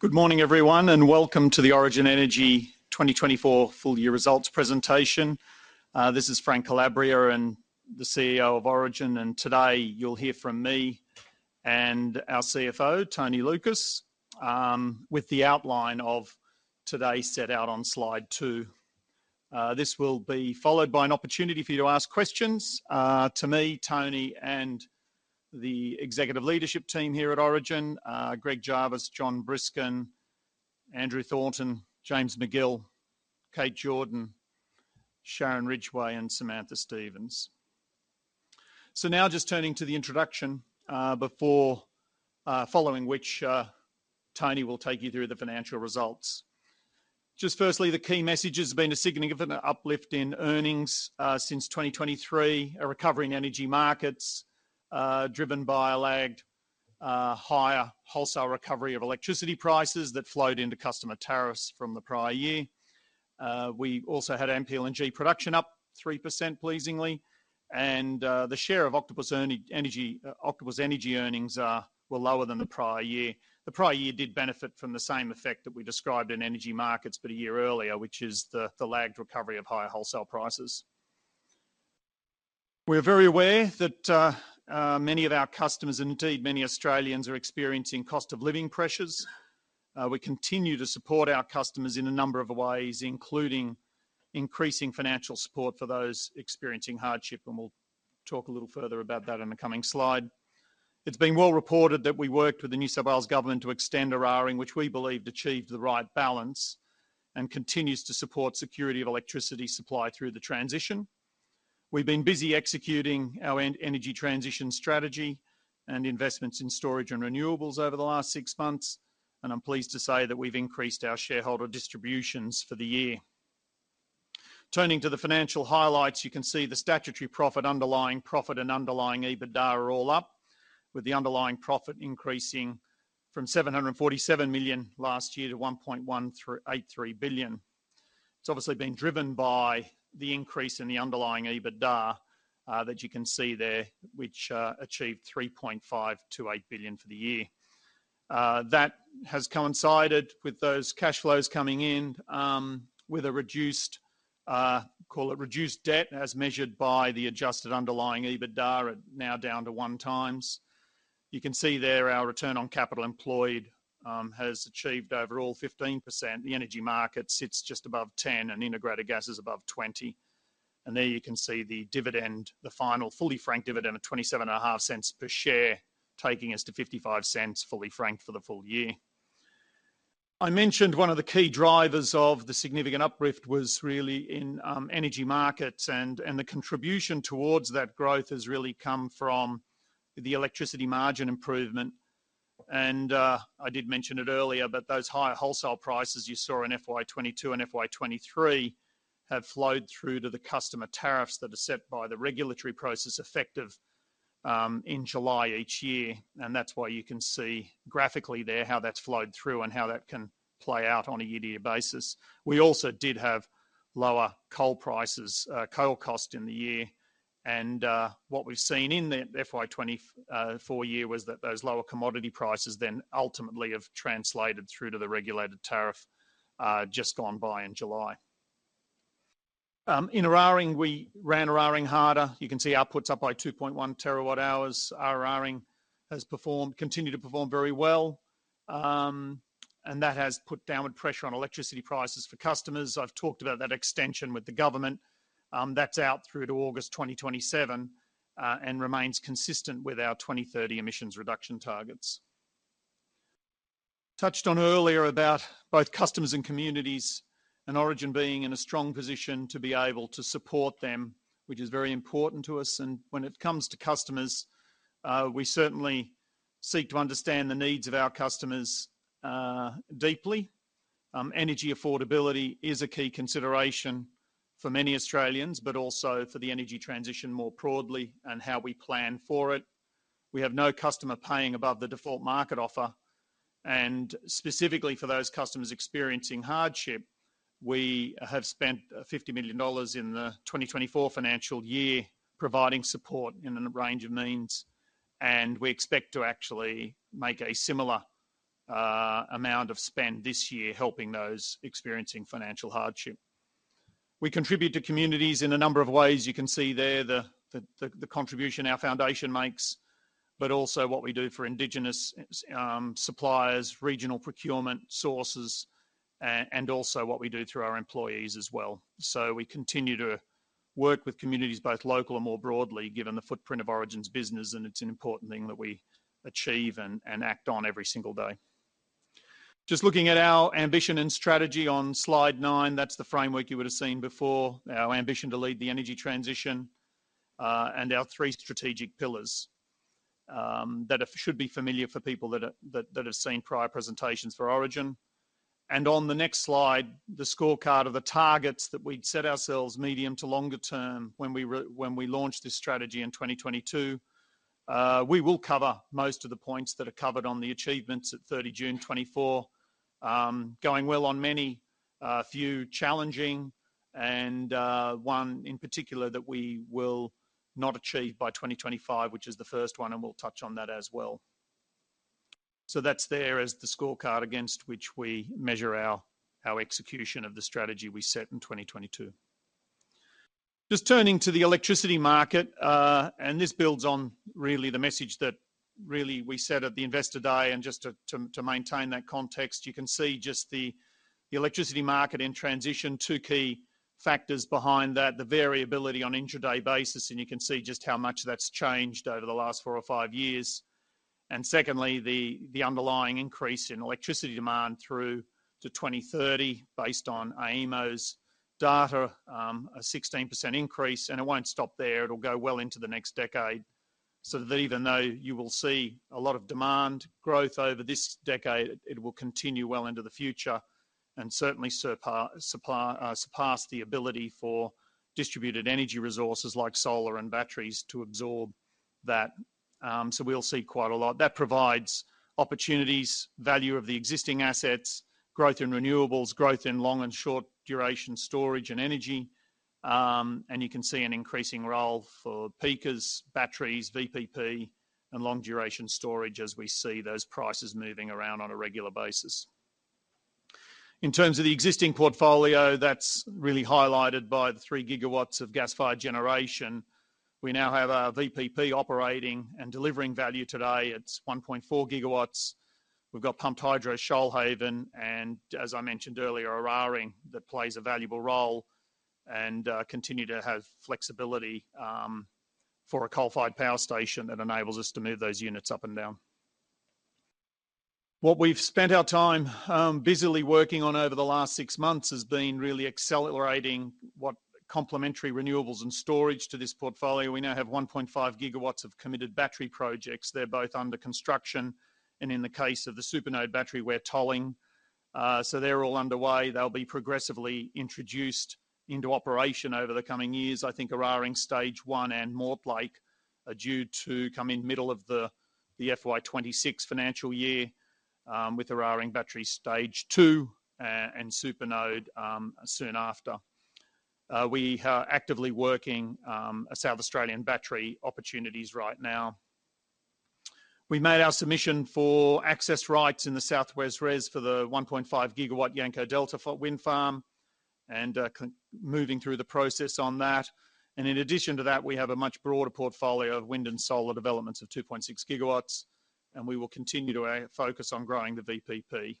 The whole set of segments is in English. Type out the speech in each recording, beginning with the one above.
Good morning, everyone, and welcome to the Origin Energy 2024 full year results presentation. This is Frank Calabria, CEO of Origin, and today you'll hear from me and our CFO, Tony Lucas, with the outline of today set out on slide two. This will be followed by an opportunity for you to ask questions to me, Tony, and the executive leadership team here at Origin: Greg Jarvis, Jon Briskin, Andrew Thornton, James Magill, Kate Jordan, Sharon Ridgway, and Samantha Stevens. So now just turning to the introduction. Following which, Tony will take you through the financial results. Just firstly, the key message has been a significant uplift in earnings since 2023, a recovery in energy markets driven by a lagged higher wholesale recovery of electricity prices that flowed into customer tariffs from the prior year. We also had LNG production up 3%, pleasingly, and the share of Octopus Energy, Energy, Octopus Energy earnings were lower than the prior year. The prior year did benefit from the same effect that we described in energy markets, but a year earlier, which is the lagged recovery of higher wholesale prices. We're very aware that many of our customers, and indeed many Australians, are experiencing cost of living pressures. We continue to support our customers in a number of ways, including increasing financial support for those experiencing hardship, and we'll talk a little further about that in the coming slide. It's been well reported that we worked with the New South Wales Government to extend Eraring, which we believed achieved the right balance and continues to support security of electricity supply through the transition. We've been busy executing our energy transition strategy and investments in storage and renewables over the last six months, and I'm pleased to say that we've increased our shareholder distributions for the year. Turning to the financial highlights, you can see the statutory profit, underlying profit and underlying EBITDA are all up, with the underlying profit increasing from 747 million last year to 1.1383 billion. It's obviously been driven by the increase in the underlying EBITDA that you can see there, which achieved 3.528 billion for the year. That has coincided with those cash flows coming in, with a reduced, call it reduced debt, as measured by the adjusted underlying EBITDA, are now down to 1x. You can see there our return on capital employed has achieved overall 15%. The energy market sits just above 10%, and integrated gas is above 20%. And there you can see the dividend, the final fully franked dividend of 0.275 per share, taking us to 0.55, fully franked for the full year. I mentioned one of the key drivers of the significant uplift was really in energy markets, and the contribution towards that growth has really come from the electricity margin improvement. I did mention it earlier, but those higher wholesale prices you saw in FY 2022 and FY 2023 have flowed through to the customer tariffs that are set by the regulatory process effective in July each year. That's why you can see graphically there, how that's flowed through and how that can play out on a year-to-year basis. We also did have lower coal prices, coal cost in the year, and what we've seen in the FY 2024 year was that those lower commodity prices then ultimately have translated through to the regulated tariff just gone by in July. In Eraring, we ran Eraring harder. You can see output's up by 2.1 TWh. Our Eraring has performed, continued to perform very well, and that has put downward pressure on electricity prices for customers. I've talked about that extension with the government. That's out through to August 2027, and remains consistent with our 2030 emissions reduction targets. Touched on earlier about both customers and communities, and Origin being in a strong position to be able to support them, which is very important to us. And when it comes to customers, we certainly seek to understand the needs of our customers deeply. Energy affordability is a key consideration for many Australians, but also for the energy transition more broadly and how we plan for it. We have no customer paying above the default market offer, and specifically for those customers experiencing hardship, we have spent 50 million dollars in the 2024 financial year, providing support in a range of means, and we expect to actually make a similar amount of spend this year, helping those experiencing financial hardship. We contribute to communities in a number of ways. You can see there the contribution our foundation makes, but also what we do for indigenous suppliers, regional procurement sources, and also what we do through our employees as well. So we continue to work with communities, both local and more broadly, given the footprint of Origin's business, and it's an important thing that we achieve and act on every single day. Just looking at our ambition and strategy on slide nine, that's the framework you would have seen before, our ambition to lead the energy transition, and our three strategic pillars that are-- should be familiar for people that have seen prior presentations for Origin. And on the next slide, the scorecard of the targets that we'd set ourselves medium to longer term, when we launched this strategy in 2022. We will cover most of the points that are covered on the achievements at 30 June 2024. Going well on many, few challenging-... and, one in particular that we will not achieve by 2025, which is the first one, and we'll touch on that as well. So that's there as the scorecard against which we measure our execution of the strategy we set in 2022. Just turning to the electricity market, and this builds on really the message that really we said at the Investor Day, and just to maintain that context, you can see just the electricity market in transition. Two key factors behind that: the variability on intraday basis, and you can see just how much that's changed over the last four or five years. And secondly, the underlying increase in electricity demand through to 2030, based on AEMO's data, a 16% increase, and it won't stop there, it'll go well into the next decade. So that even though you will see a lot of demand growth over this decade, it will continue well into the future and certainly surpass the ability for distributed energy resources like solar and batteries to absorb that. So we'll see quite a lot. That provides opportunities, value of the existing assets, growth in renewables, growth in long and short duration storage and energy. And you can see an increasing role for peakers, batteries, VPP, and long-duration storage as we see those prices moving around on a regular basis. In terms of the existing portfolio, that's really highlighted by the 3 gigawatts of gas-fired generation. We now have our VPP operating and delivering value today. It's 1.4 gigawatts. We've got pumped hydro Shoalhaven, and as I mentioned earlier, Eraring, that plays a valuable role and continue to have flexibility for a coal-fired power station that enables us to move those units up and down. What we've spent our time busily working on over the last six months has been really accelerating what complementary renewables and storage to this portfolio. We now have 1.5 gigawatts of committed battery projects. They're both under construction, and in the case of the Supernode Battery, we're tolling. So they're all underway. They'll be progressively introduced into operation over the coming years. I think Eraring Stage One and Mortlake are due to come in middle of the, the FY 2026 financial year, with Eraring Battery Stage Two, and Supernode, soon after. We are actively working, South Australian battery opportunities right now. We made our submission for access rights in the South West REZ for the 1.5-gigawatt Yanco Delta Wind Farm and, moving through the process on that. And in addition to that, we have a much broader portfolio of wind and solar developments of 2.6 gigawatts, and we will continue to, focus on growing the VPP.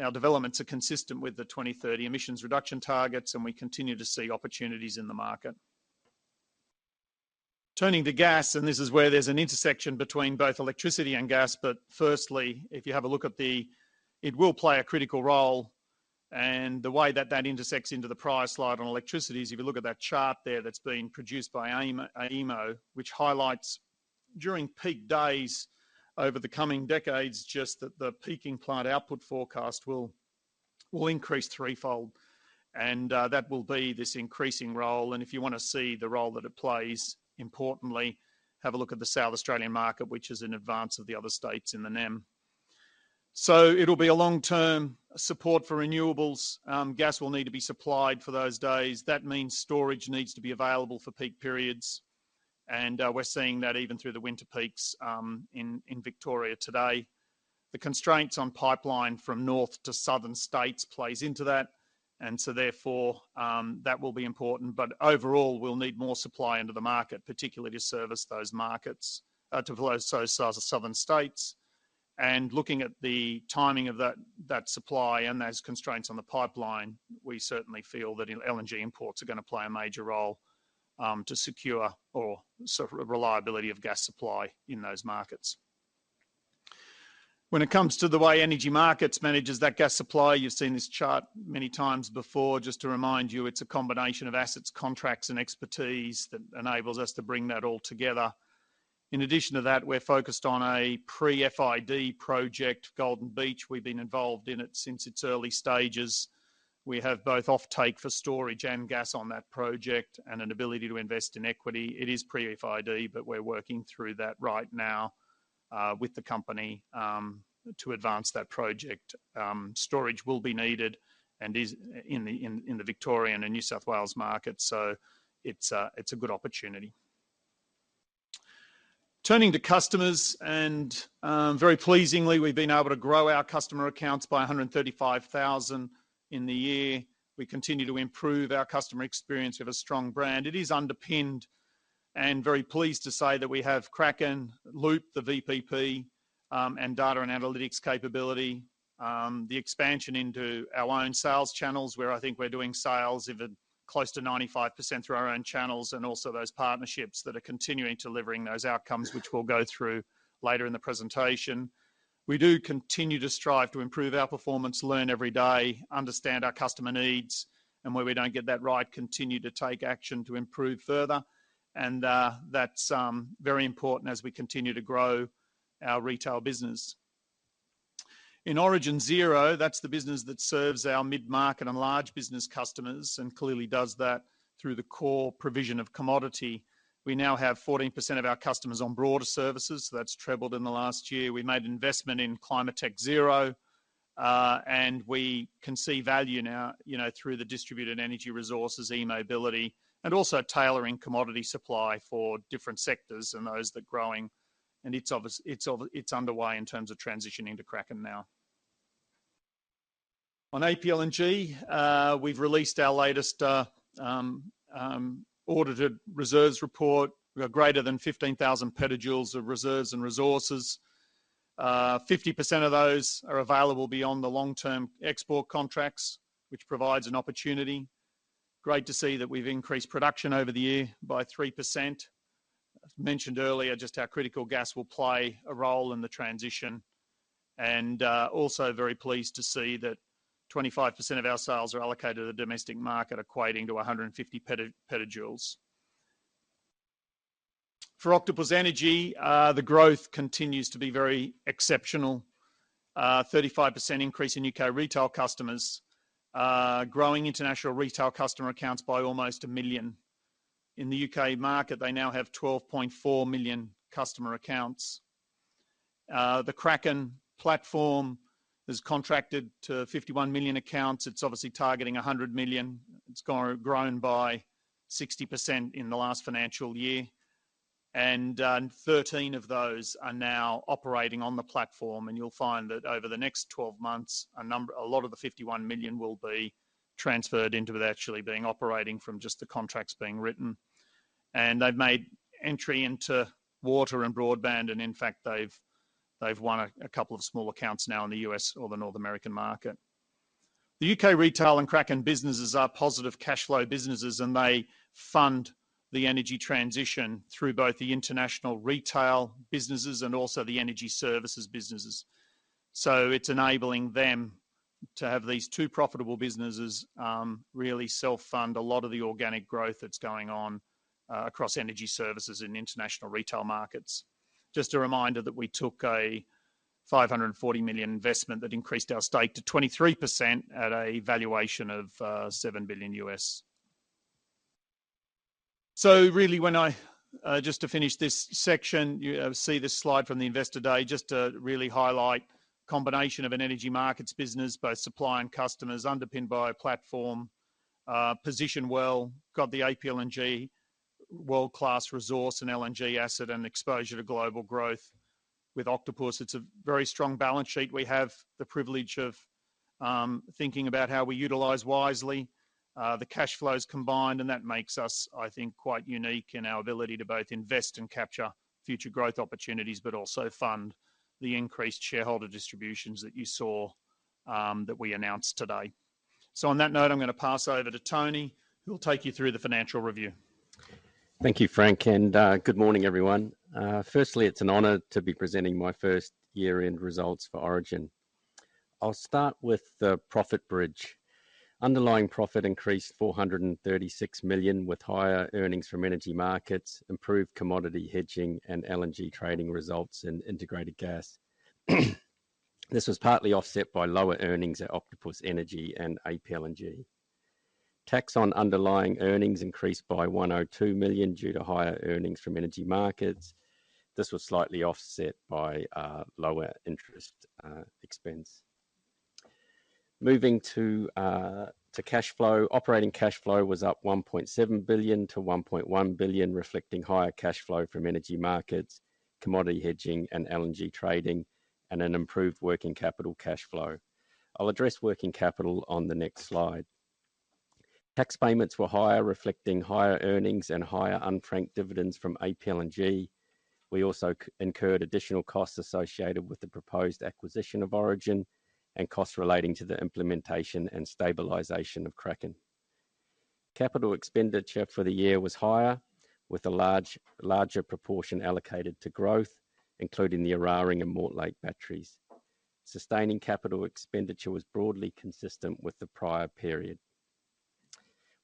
Our developments are consistent with the 2030 emissions reduction targets, and we continue to see opportunities in the market. Turning to gas, and this is where there's an intersection between both electricity and gas, but firstly, if you have a look at the... It will play a critical role, and the way that that intersects into the prior slide on electricity is, if you look at that chart there that's been produced by AEMO, which highlights, during peak days over the coming decades, just that the peaking plant output forecast will, will increase threefold, and, that will be this increasing role. And if you wanna see the role that it plays, importantly, have a look at the South Australian market, which is in advance of the other states in the NEM. So it'll be a long-term support for renewables. Gas will need to be supplied for those days. That means storage needs to be available for peak periods, and we're seeing that even through the winter peaks in Victoria today. The constraints on pipeline from north to southern states plays into that, and so therefore, that will be important. But overall, we'll need more supply into the market, particularly to service those markets to flow to south, southern states. And looking at the timing of that, that supply and those constraints on the pipeline, we certainly feel that LNG imports are gonna play a major role to secure or so, reliability of gas supply in those markets. When it comes to the way energy markets manages that gas supply, you've seen this chart many times before. Just to remind you, it's a combination of assets, contracts, and expertise that enables us to bring that all together. In addition to that, we're focused on a pre-FID project, Golden Beach. We've been involved in it since its early stages. We have both offtake for storage and gas on that project and an ability to invest in equity. It is pre-FID, but we're working through that right now with the company to advance that project. Storage will be needed and is in the Victorian and New South Wales market, so it's a good opportunity. Turning to customers, and very pleasingly, we've been able to grow our customer accounts by 135,000 in the year. We continue to improve our customer experience. We have a strong brand. It is underpinned and very pleased to say that we have Kraken, Loop, the VPP, and data and analytics capability. The expansion into our own sales channels, where I think we're doing sales of close to 95% through our own channels, and also those partnerships that are continuing delivering those outcomes, which we'll go through later in the presentation. We do continue to strive to improve our performance, learn every day, understand our customer needs, and where we don't get that right, continue to take action to improve further, and that's very important as we continue to grow our retail business. In Origin Zero, that's the business that serves our mid-market and large business customers and clearly does that through the core provision of commodity. We now have 14% of our customers on broader services. That's trebled in the last year. We made an investment in ClimateTech Zero, and we can see value now, you know, through the distributed energy resources, e-mobility, and also tailoring commodity supply for different sectors and those that are growing. And it's obvious, it's underway in terms of transitioning to Kraken now. On APLNG, we've released our latest audited reserves report. We have greater than 15,000 petajoules of reserves and resources. 50% of those are available beyond the long-term export contracts, which provides an opportunity. Great to see that we've increased production over the year by 3%. I mentioned earlier just how critical gas will play a role in the transition, and also very pleased to see that 25% of our sales are allocated to the domestic market, equating to 150 petajoules. For Octopus Energy, the growth continues to be very exceptional. 35% increase in U.K. retail customers, growing international retail customer accounts by almost a million. In the U.K. market, they now have 12.4 million customer accounts. The Kraken platform has contracted to 51 million accounts. It's obviously targeting 100 million. It's grown by 60% in the last financial year, and 13 of those are now operating on the platform, and you'll find that over the next 12 months, a number, a lot of the 51 million will be transferred into it actually being operating from just the contracts being written. And they've made entry into water and broadband, and in fact, they've won a couple of small accounts now in the U.S. or the North American market. The UK retail and Kraken businesses are positive cash flow businesses, and they fund the energy transition through both the international retail businesses and also the energy services businesses. So it's enabling them to have these two profitable businesses, really self-fund a lot of the organic growth that's going on across energy services in international retail markets. Just a reminder that we took a $540 million investment that increased our stake to 23% at a valuation of $7 billion US. So really, just to finish this section, you see this slide from the Investor Day, just to really highlight combination of an energy markets business, both supply and customers, underpinned by a platform, positioned well, got the APLNG world-class resource and LNG asset and exposure to global growth. With Octopus, it's a very strong balance sheet. We have the privilege of thinking about how we utilize wisely the cash flows combined, and that makes us, I think, quite unique in our ability to both invest and capture future growth opportunities, but also fund the increased shareholder distributions that you saw that we announced today. So on that note, I'm going to pass over to Tony, who will take you through the financial review. Thank you, Frank, and good morning, everyone. Firstly, it's an honor to be presenting my first year-end results for Origin. I'll start with the profit bridge. Underlying profit increased 436 million, with higher earnings from energy markets, improved commodity hedging, and LNG trading results in integrated gas. This was partly offset by lower earnings at Octopus Energy and APLNG. Tax on underlying earnings increased by 102 million due to higher earnings from energy markets. This was slightly offset by lower interest expense. Moving to cash flow, operating cash flow was up 1.7 billion to 1.1 billion, reflecting higher cash flow from energy markets, commodity hedging and LNG trading, and an improved working capital cash flow. I'll address working capital on the next slide. Tax payments were higher, reflecting higher earnings and higher unfranked dividends from APLNG. We also incurred additional costs associated with the proposed acquisition of Origin and costs relating to the implementation and stabilization of Kraken. Capital expenditure for the year was higher, with a larger proportion allocated to growth, including the Eraring and Mortlake Batteries. Sustaining capital expenditure was broadly consistent with the prior period.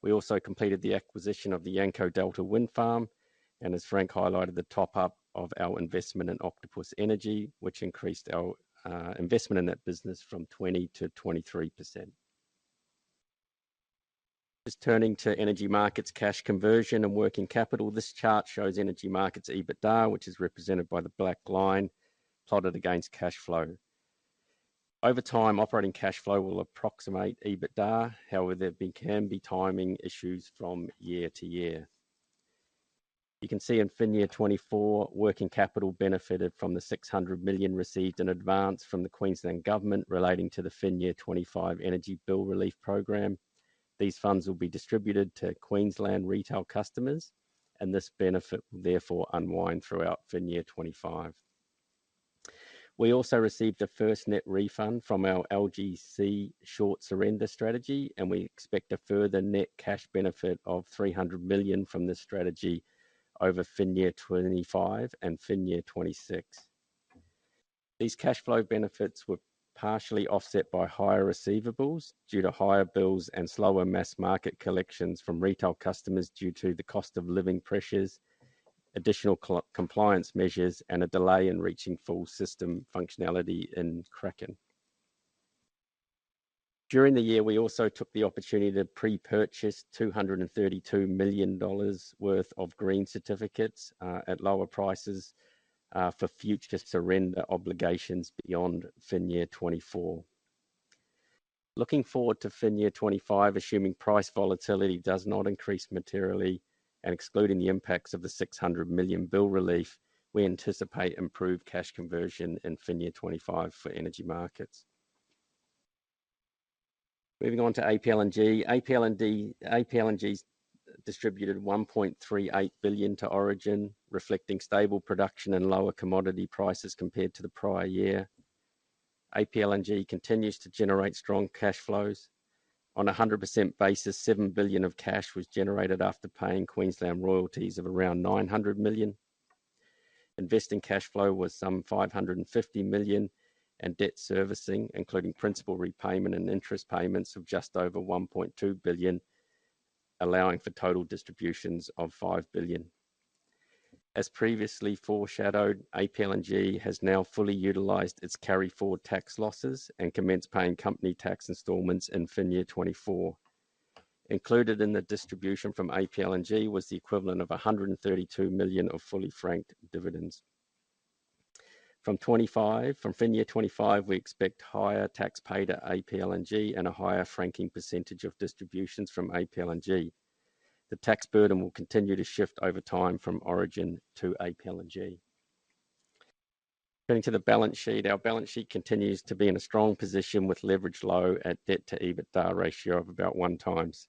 We also completed the acquisition of the Yanco Delta Wind Farm, and as Frank highlighted, the top-up of our investment in Octopus Energy, which increased our investment in that business from 20% to 23%. Just turning to energy markets, cash conversion, and working capital, this chart shows energy markets EBITDA, which is represented by the black line plotted against cash flow. Over time, operating cash flow will approximate EBITDA. However, there can be timing issues from year to year. You can see in financial year 2024, working capital benefited from the 600 million received in advance from the Queensland Government relating to the financial year 2025 energy bill relief program. These funds will be distributed to Queensland retail customers, and this benefit will therefore unwind throughout financial year 2025. We also received a first net refund from our LGC short surrender strategy, and we expect a further net cash benefit of 300 million from this strategy over financial year 2025 and financial year 2026. These cash flow benefits were partially offset by higher receivables due to higher bills and slower mass market collections from retail customers, due to the cost of living pressures, additional compliance measures, and a delay in reaching full system functionality in Kraken.... During the year, we also took the opportunity to pre-purchase $232 million worth of green certificates at lower prices for future surrender obligations beyond FY 2024. Looking forward to FY 2025, assuming price volatility does not increase materially and excluding the impacts of the $600 million bill relief, we anticipate improved cash conversion in FY 2025 for energy markets. Moving on to APLNG. APLNG distributed $1.38 billion to Origin, reflecting stable production and lower commodity prices compared to the prior year. APLNG continues to generate strong cash flows. On a 100% basis, $7 billion of cash was generated after paying Queensland royalties of around $900 million. Investing cash flow was some 550 million, and debt servicing, including principal repayment and interest payments of just over 1.2 billion, allowing for total distributions of 5 billion. As previously foreshadowed, APLNG has now fully utilized its carry forward tax losses and commenced paying company tax installments in fin year 2024. Included in the distribution from APLNG was the equivalent of 132 million of fully franked dividends. From 2025, from fin year 2025, we expect higher tax paid at APLNG and a higher franking percentage of distributions from APLNG. The tax burden will continue to shift over time from Origin to APLNG. Getting to the balance sheet. Our balance sheet continues to be in a strong position with leverage low at debt to EBITDA ratio of about 1x,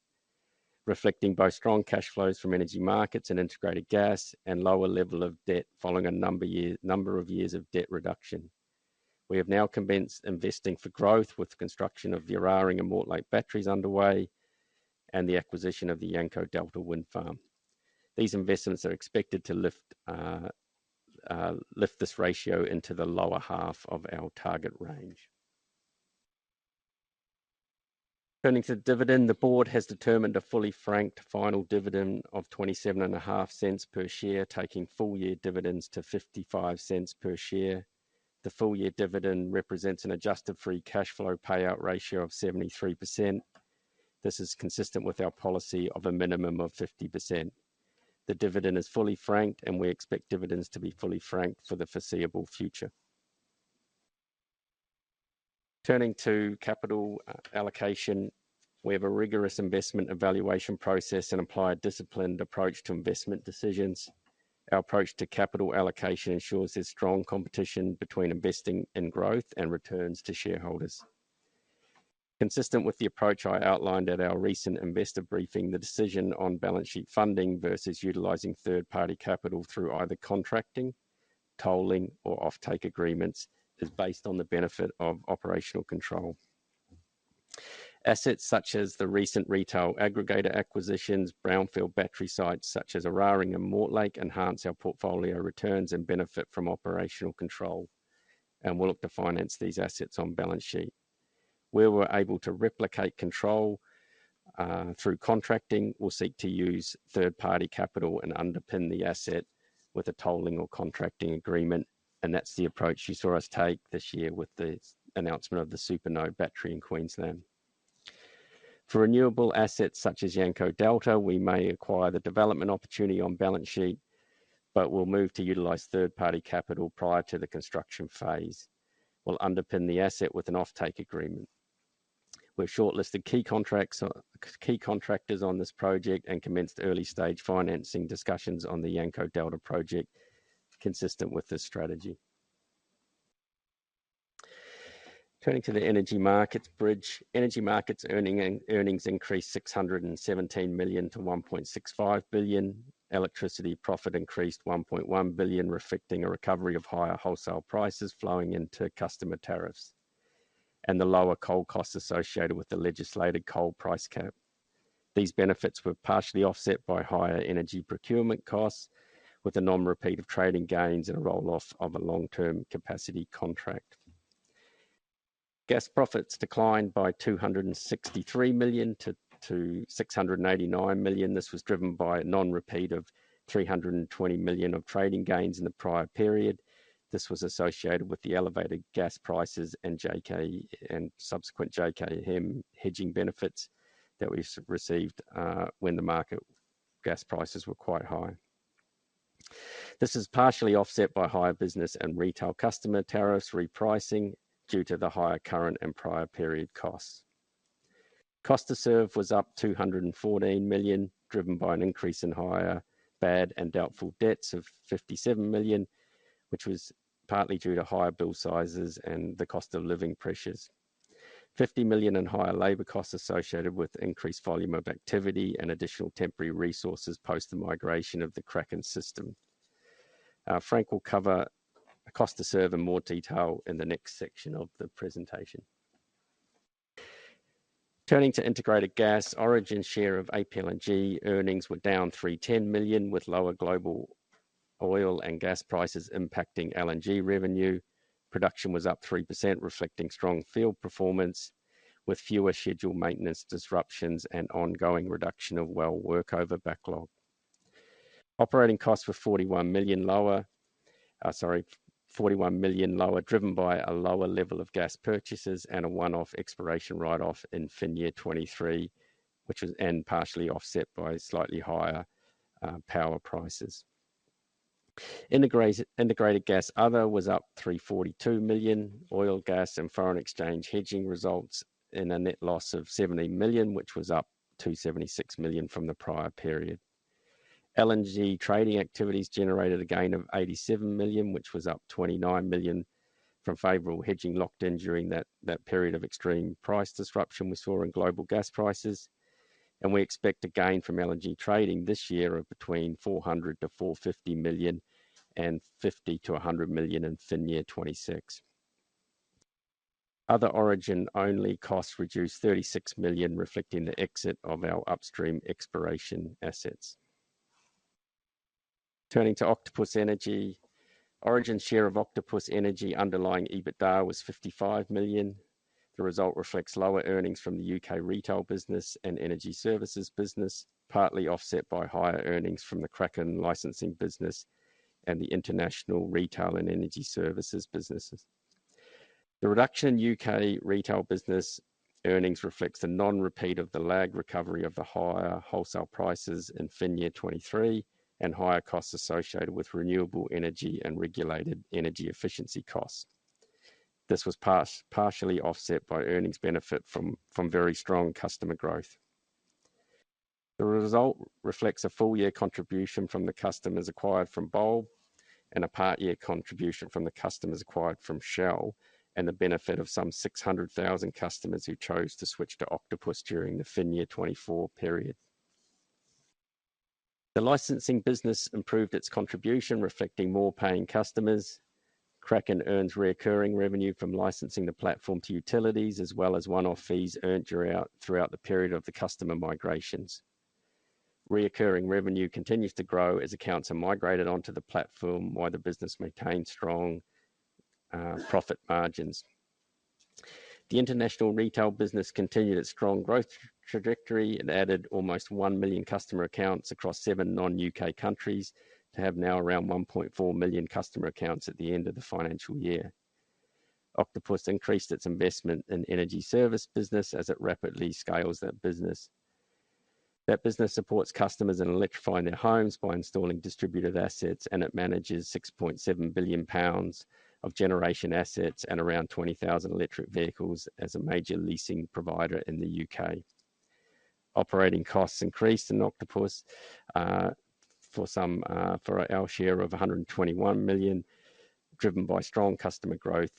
reflecting both strong cash flows from energy markets and integrated gas, and lower level of debt following a number of years of debt reduction. We have now commenced investing for growth with the construction of the Eraring and Mortlake Batteries underway and the acquisition of the Yanco Delta Wind Farm. These investments are expected to lift this ratio into the lower half of our target range. Turning to dividend, the board has determined a fully franked final dividend of 0.275 per share, taking full year dividends to 0.55 per share. The full year dividend represents an adjusted free cash flow payout ratio of 73%. This is consistent with our policy of a minimum of 50%. The dividend is fully franked, and we expect dividends to be fully franked for the foreseeable future. Turning to capital allocation, we have a rigorous investment evaluation process and apply a disciplined approach to investment decisions. Our approach to capital allocation ensures there's strong competition between investing in growth and returns to shareholders. Consistent with the approach I outlined at our recent investor briefing, the decision on balance sheet funding versus utilizing third-party capital through either contracting, tolling, or offtake agreements, is based on the benefit of operational control. Assets such as the recent retail aggregator acquisitions, brownfield battery sites such as Eraring and Mortlake, enhance our portfolio returns and benefit from operational control, and we'll look to finance these assets on balance sheet. Where we're able to replicate control through contracting, we'll seek to use third-party capital and underpin the asset with a tolling or contracting agreement, and that's the approach you saw us take this year with the announcement of the Supernode Battery in Queensland. For renewable assets such as Yanco Delta, we may acquire the development opportunity on balance sheet, but we'll move to utilize third-party capital prior to the construction phase. We'll underpin the asset with an offtake agreement. We've shortlisted key contractors on this project and commenced early-stage financing discussions on the Yanco Delta project, consistent with this strategy. Turning to the Energy Markets bridge. Energy Markets earnings increased 617 million to 1.65 billion. Electricity profit increased 1.1 billion, reflecting a recovery of higher wholesale prices flowing into customer tariffs, and the lower coal costs associated with the legislated coal price cap. These benefits were partially offset by higher energy procurement costs, with a non-repeat of trading gains and a roll-off of a long-term capacity contract. Gas profits declined by 263 million to 689 million. This was driven by a non-repeat of 320 million of trading gains in the prior period. This was associated with the elevated gas prices and JKM and subsequent JKM hedging benefits that we received, when the market gas prices were quite high. This is partially offset by higher business and retail customer tariffs repricing due to the higher current and prior period costs. Cost to Serve was up 214 million, driven by an increase in higher bad and doubtful debts of 57 million, which was partly due to higher bill sizes and the cost of living pressures. 50 million in higher labor costs associated with increased volume of activity and additional temporary resources post the migration of the Kraken system. Frank will cover Cost to Serve in more detail in the next section of the presentation. Turning to Integrated Gas, Origin's share of APLNG earnings were down 310 million, with lower global oil and gas prices impacting LNG revenue. Production was up 3%, reflecting strong field performance, with fewer scheduled maintenance disruptions and ongoing reduction of well workover backlog. Operating costs were 41 million lower, 41 million lower, driven by a lower level of gas purchases and a one-off exploration write-off in FY 2023, and partially offset by slightly higher power prices. Integrated gas other was up 342 million. Oil, gas, and foreign exchange hedging results in a net loss of 70 million, which was up 276 million from the prior period. LNG trading activities generated a gain of 87 million, which was up 29 million from favorable hedging locked in during that period of extreme price disruption we saw in global gas prices, and we expect a gain from LNG trading this year of between 400-450 million and 50-100 million in FY 2026. Other Origin-only costs reduced 36 million, reflecting the exit of our upstream exploration assets. Turning to Octopus Energy. Origin share of Octopus Energy underlying EBITDA was 55 million. The result reflects lower earnings from the UK retail business and energy services business, partly offset by higher earnings from the Kraken licensing business and the international retail and energy services businesses. The reduction in UK retail business earnings reflects the non-repeat of the lagged recovery of the higher wholesale prices in FY 2023 and higher costs associated with renewable energy and regulated energy efficiency costs. This was partially offset by earnings benefit from very strong customer growth. The result reflects a full-year contribution from the customers acquired from Bulb and a part-year contribution from the customers acquired from Shell, and the benefit of some 600,000 customers who chose to switch to Octopus during the FY 2024 period. The licensing business improved its contribution, reflecting more paying customers. Kraken earns recurring revenue from licensing the platform to utilities, as well as one-off fees earned throughout the period of the customer migrations. Recurring revenue continues to grow as accounts are migrated onto the platform, while the business maintains strong profit margins. The international retail business continued its strong growth trajectory and added almost 1 million customer accounts across seven non-UK countries to have now around 1.4 million customer accounts at the end of the financial year. Octopus increased its investment in energy services business as it rapidly scales that business. That business supports customers in electrifying their homes by installing distributed assets, and it manages 6.7 billion pounds of generation assets and around 20,000 electric vehicles as a major leasing provider in the UK. Operating costs increased in Octopus for our share of 121 million, driven by strong customer growth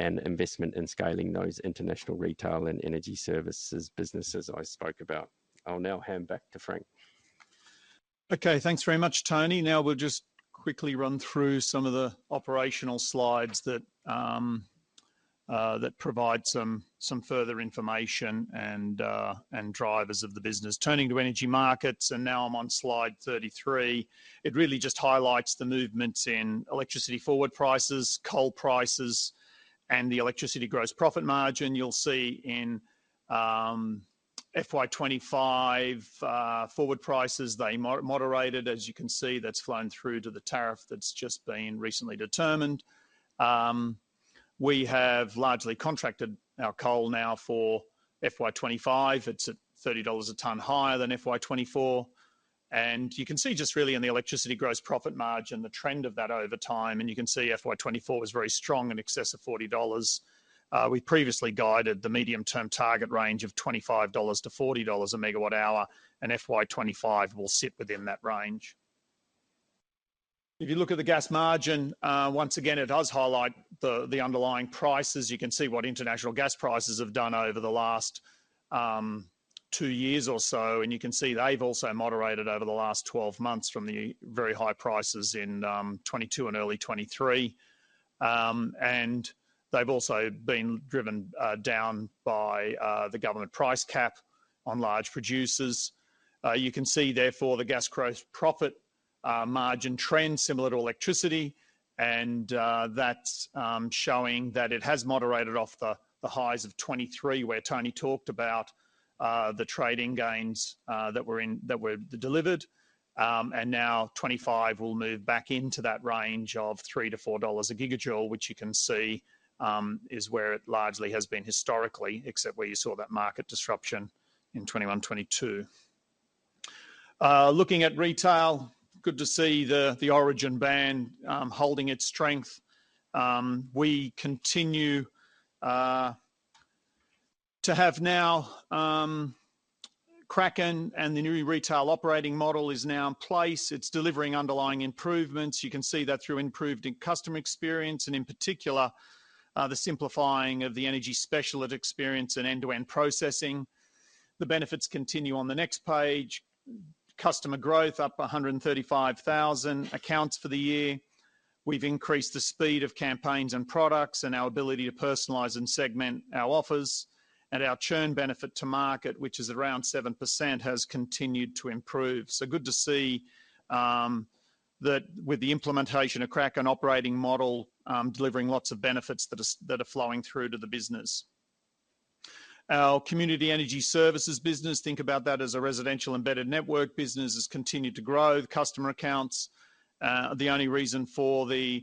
and investment in scaling those international retail and energy services businesses I spoke about. I'll now hand back to Frank. Okay, thanks very much, Tony. Now we'll just quickly run through some of the operational slides that that provide some further information and and drivers of the business. Turning to energy markets, and now I'm on slide 33, it really just highlights the movements in electricity forward prices, coal prices, and the electricity gross profit margin. You'll see in FY 25 forward prices, they moderated. As you can see, that's flown through to the tariff that's just been recently determined. We have largely contracted our coal now for FY 25. It's at 30 dollars a tonne higher than FY 24, and you can see just really in the electricity gross profit margin, the trend of that over time, and you can see FY 24 was very strong, in excess of 40 dollars. We previously guided the medium-term target range of 25-40 dollars a megawatt hour, and FY 2025 will sit within that range. If you look at the gas margin, once again, it does highlight the underlying prices. You can see what international gas prices have done over the last two years or so, and you can see they've also moderated over the last 12 months from the very high prices in 2022 and early 2023. And they've also been driven down by the government price cap on large producers. You can see, therefore, the gas gross profit margin trend, similar to electricity, and that's showing that it has moderated off the highs of 2023, where Tony talked about the trading gains that were delivered. And now 2025 will move back into that range of AUD 3-$4/gigajoule, which you can see, is where it largely has been historically, except where you saw that market disruption in 2021, 2022. Looking at retail, good to see the, the Origin brand, holding its strength. We continue to have now, Kraken and the new retail operating model is now in place. It's delivering underlying improvements. You can see that through improved customer experience and, in particular, the simplifying of the energy specialist experience and end-to-end processing. The benefits continue on the next page. Customer growth up 135,000 accounts for the year. We've increased the speed of campaigns and products and our ability to personalize and segment our offers, and our churn benefit to market, which is around 7%, has continued to improve. So good to see that with the implementation of Kraken operating model, delivering lots of benefits that are flowing through to the business... Our community energy services business, think about that as a residential embedded network business, has continued to grow the customer accounts. The only reason for the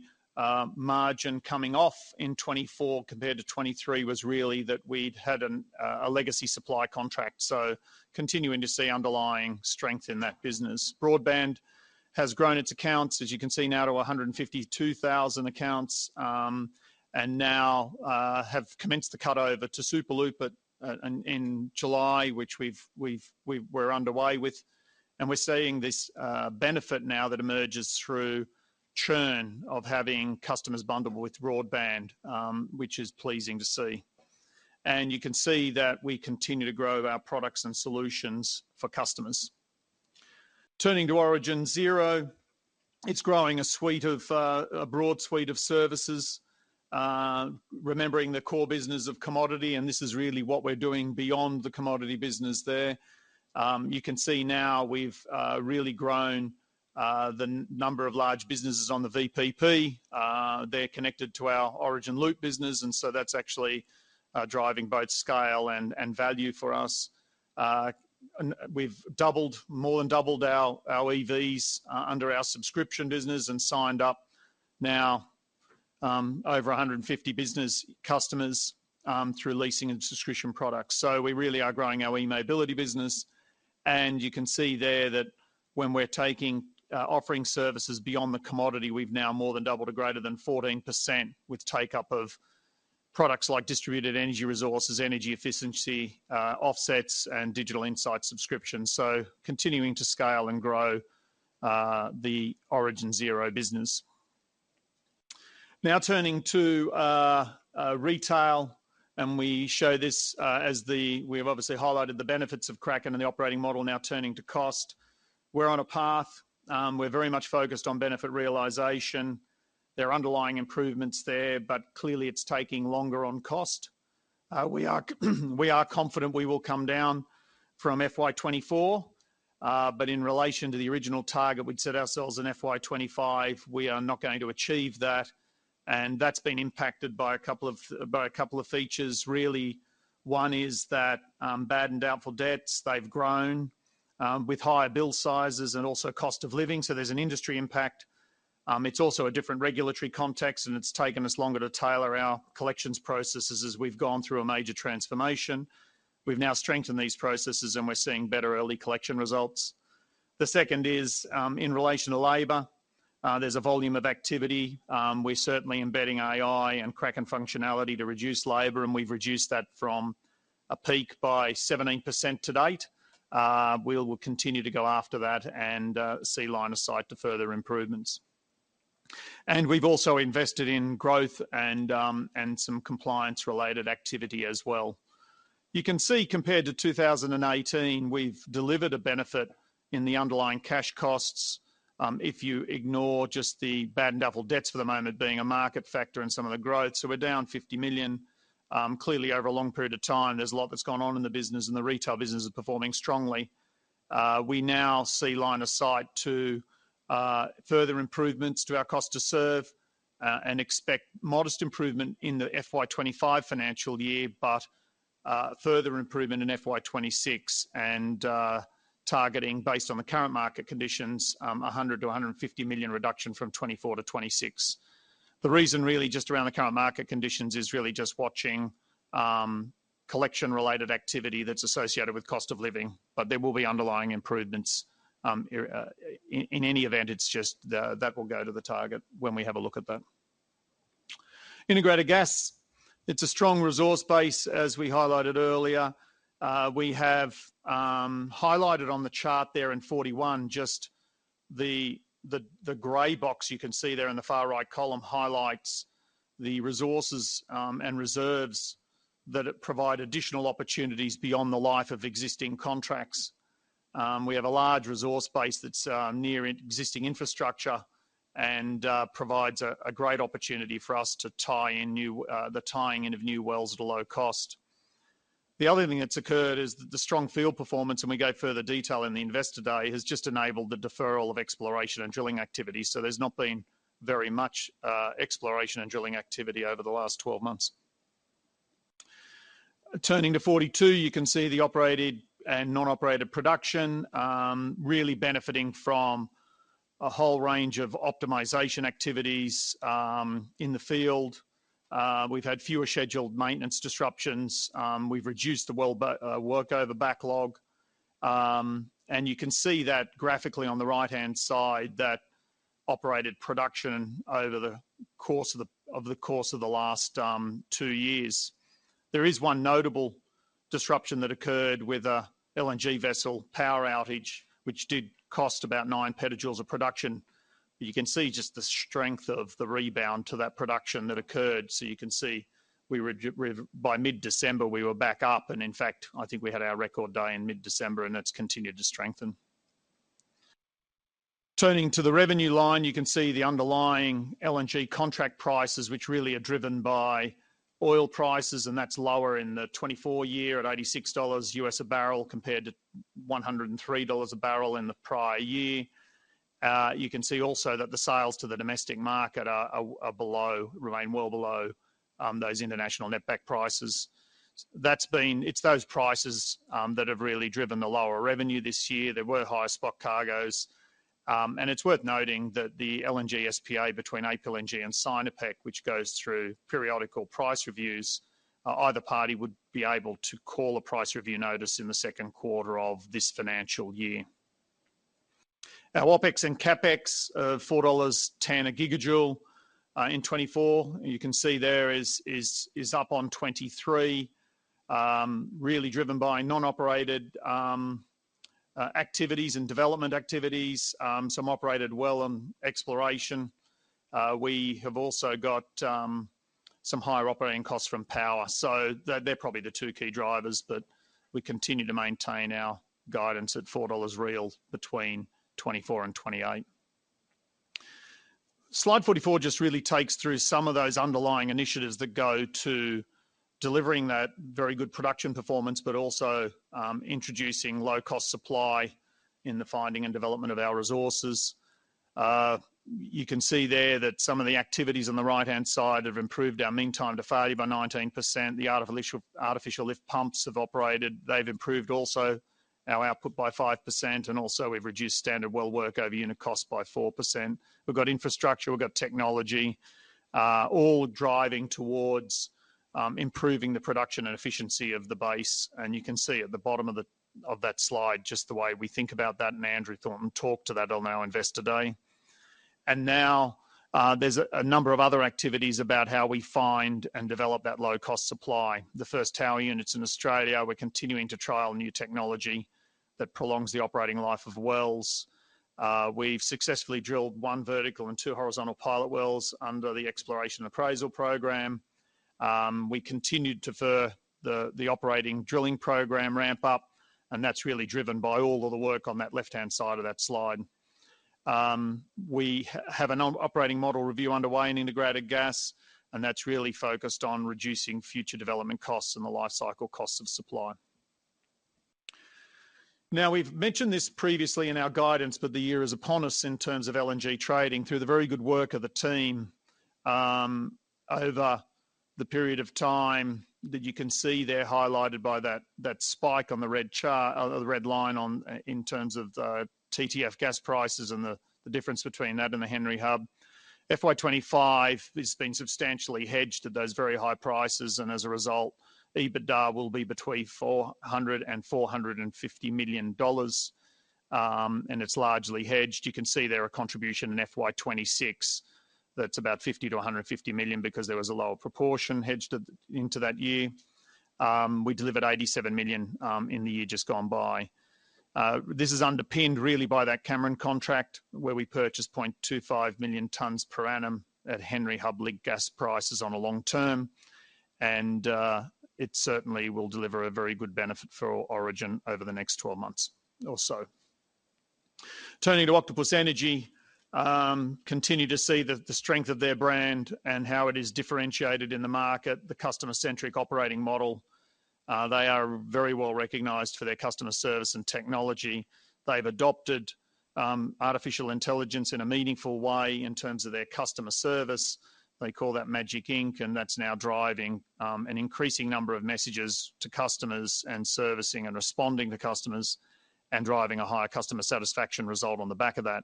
margin coming off in 2024 compared to 2023 was really that we'd had a legacy supply contract, so continuing to see underlying strength in that business. Broadband has grown its accounts, as you can see now, to 152,000 accounts, and now have commenced the cut over to Superloop in July, which we're underway with. And we're seeing this benefit now that emerges through churn of having customers bundle with broadband, which is pleasing to see. You can see that we continue to grow our products and solutions for customers. Turning to Origin Zero, it's growing a suite of, a broad suite of services. Remembering the core business of commodity, and this is really what we're doing beyond the commodity business there. You can see now we've really grown the number of large businesses on the VPP. They're connected to our Origin Loop business, and so that's actually driving both scale and, and value for us. And we've doubled, more than doubled our EVs under our subscription business and signed up now over 150 business customers through leasing and subscription products. So we really are growing our e-mobility business, and you can see there that when we're taking, offering services beyond the commodity, we've now more than doubled to greater than 14% with take-up of products like distributed energy resources, energy efficiency, offsets, and digital insight subscriptions. So continuing to scale and grow the Origin Zero business. Now turning to retail, and we show this as the. We've obviously highlighted the benefits of Kraken and the operating model now turning to cost. We're on a path. We're very much focused on benefit realization. There are underlying improvements there, but clearly, it's taking longer on cost. We are confident we will come down from FY 2024, but in relation to the original target we'd set ourselves in FY 2025, we are not going to achieve that, and that's been impacted by a couple of features, really. One is that, bad and doubtful debts, they've grown, with higher bill sizes and also cost of living, so there's an industry impact. It's also a different regulatory context, and it's taken us longer to tailor our collections processes as we've gone through a major transformation. We've now strengthened these processes, and we're seeing better early collection results. The second is, in relation to labor. There's a volume of activity. We're certainly embedding AI and Kraken functionality to reduce labor, and we've reduced that from a peak by 17% to date. We will continue to go after that and see line of sight to further improvements. And we've also invested in growth and some compliance-related activity as well. You can see, compared to 2018, we've delivered a benefit in the underlying cash costs, if you ignore just the bad and doubtful debts for the moment being a market factor and some of the growth. So we're down 50 million. Clearly, over a long period of time, there's a lot that's gone on in the business, and the retail business is performing strongly. We now see line of sight to further improvements to our cost to serve, and expect modest improvement in the FY 2025 financial year, but further improvement in FY 2026 and targeting, based on the current market conditions, 100 million-150 million reduction from 2024 to 2026. The reason really just around the current market conditions is really just watching collection-related activity that's associated with cost of living, but there will be underlying improvements. In any event, it's just that will go to the target when we have a look at that. Integrated gas. It's a strong resource base, as we highlighted earlier. We have highlighted on the chart there in 41, just the gray box you can see there in the far right column highlights the resources and reserves that it provide additional opportunities beyond the life of existing contracts. We have a large resource base that's near existing infrastructure and provides a great opportunity for us to tie in new, the tying in of new wells at a low cost. The other thing that's occurred is the strong field performance, and we gave further detail in the Investor Day, has just enabled the deferral of exploration and drilling activity. So there's not been very much exploration and drilling activity over the last 12 months. Turning to 42, you can see the operated and non-operated production really benefiting from a whole range of optimization activities in the field. We've had fewer scheduled maintenance disruptions. We've reduced the workover backlog. And you can see that graphically on the right-hand side, that operated production over the course of the last two years. There is one notable disruption that occurred with a LNG vessel power outage, which did cost about 9 petajoules of production. You can see just the strength of the rebound to that production that occurred. So you can see... By mid-December, we were back up, and in fact, I think we had our record day in mid-December, and that's continued to strengthen. Turning to the revenue line, you can see the underlying LNG contract prices, which really are driven by oil prices, and that's lower in the 2024 year at $86 a barrel, compared to $103 a barrel in the prior year. You can see also that the sales to the domestic market are below, remain well below those international netback prices. That's been. It's those prices that have really driven the lower revenue this year. There were higher spot cargoes, and it's worth noting that the LNG SPA between APLNG and Sinopec, which goes through periodical price reviews, either party would be able to call a price review notice in the second quarter of this financial year. Our OpEx and CapEx of $4.10 a gigajoule, in 2024, you can see there is up on 2023, really driven by non-operated, activities and development activities, some operated well on exploration. We have also got, some higher operating costs from power, so they, they're probably the two key drivers, but we continue to maintain our guidance at $4 real between 2024 and 2028. Slide 44 just really takes through some of those underlying initiatives that go to delivering that very good production performance, but also, introducing low-cost supply in the finding and development of our resources. You can see there that some of the activities on the right-hand side have improved our mean time to failure by 19%. The artificial lift pumps have operated. They've improved also our output by 5%, and also we've reduced standard well work over unit cost by 4%. We've got infrastructure, we've got technology, all driving towards improving the production and efficiency of the base, and you can see at the bottom of that slide, just the way we think about that, and Andrew Thornton talked to that on our Investor Day. Now, there's a number of other activities about how we find and develop that low-cost supply. The first tower units in Australia, we're continuing to trial new technology that prolongs the operating life of wells. We've successfully drilled one vertical and two horizontal pilot wells under the exploration appraisal program. We continued to defer the operating drilling program ramp up, and that's really driven by all of the work on that left-hand side of that slide. We have an operating model review underway in integrated gas, and that's really focused on reducing future development costs and the life cycle costs of supply. Now, we've mentioned this previously in our guidance, but the year is upon us in terms of LNG trading through the very good work of the team, over the period of time that you can see there highlighted by that spike on the red line on in terms of the TTF gas prices and the difference between that and the Henry Hub. FY 2025 has been substantially hedged at those very high prices, and as a result, EBITDA will be between $400 million and $450 million, and it's largely hedged. You can see there a contribution in FY 2026 that's about $50 million to $150 million because there was a lower proportion hedged at, into that year. We delivered $87 million in the year just gone by. This is underpinned really by that Cameron contract, where we purchased 0.25 million tons per annum at Henry Hub linked gas prices on a long-term, and it certainly will deliver a very good benefit for Origin over the next 12 months or so. Turning to Octopus Energy, continue to see the strength of their brand and how it is differentiated in the market, the customer-centric operating model. They are very well recognized for their customer service and technology. They've adopted artificial intelligence in a meaningful way in terms of their customer service. They call that Magic Ink, and that's now driving an increasing number of messages to customers and servicing and responding to customers, and driving a higher customer satisfaction result on the back of that.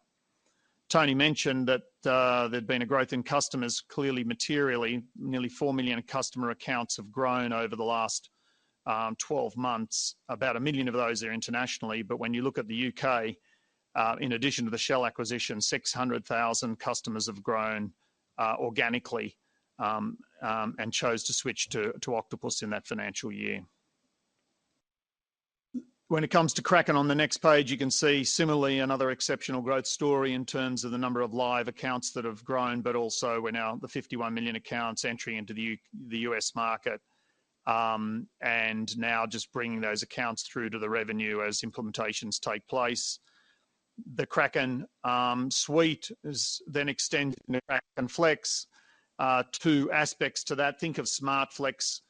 Tony mentioned that there'd been a growth in customers, clearly materially. Nearly four million customer accounts have grown over the last 12 months. About one million of those are internationally, but when you look at the UK, in addition to the Shell acquisition, 600,000 customers have grown organically, and chose to switch to Octopus in that financial year. When it comes to Kraken on the next page, you can see similarly another exceptional growth story in terms of the number of live accounts that have grown, but also we're now the 51 million accounts entering into the U.S. market, and now just bringing those accounts through to the revenue as implementations take place. The Kraken suite is then extended in KrakenFlex. Two aspects to that, think of SmartFlex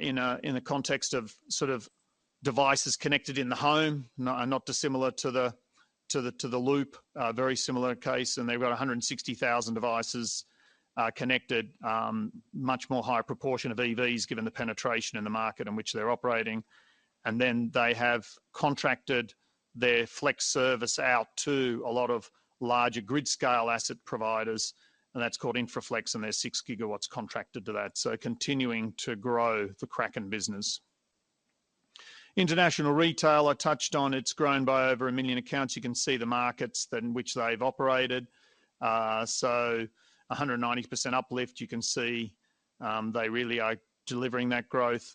in the context of sort of devices connected in the home, not dissimilar to the Loop, very similar case, and they've got 160,000 devices connected, much more higher proportion of EVs, given the penetration in the market in which they're operating. Then they have contracted their Flex service out to a lot of larger grid-scale asset providers, and that's called InfraFlex, and there's six GW contracted to that, so continuing to grow the Kraken business. International retail I touched on, it's grown by over one million accounts. You can see the markets in which they've operated. So 190% uplift, you can see, they really are delivering that growth.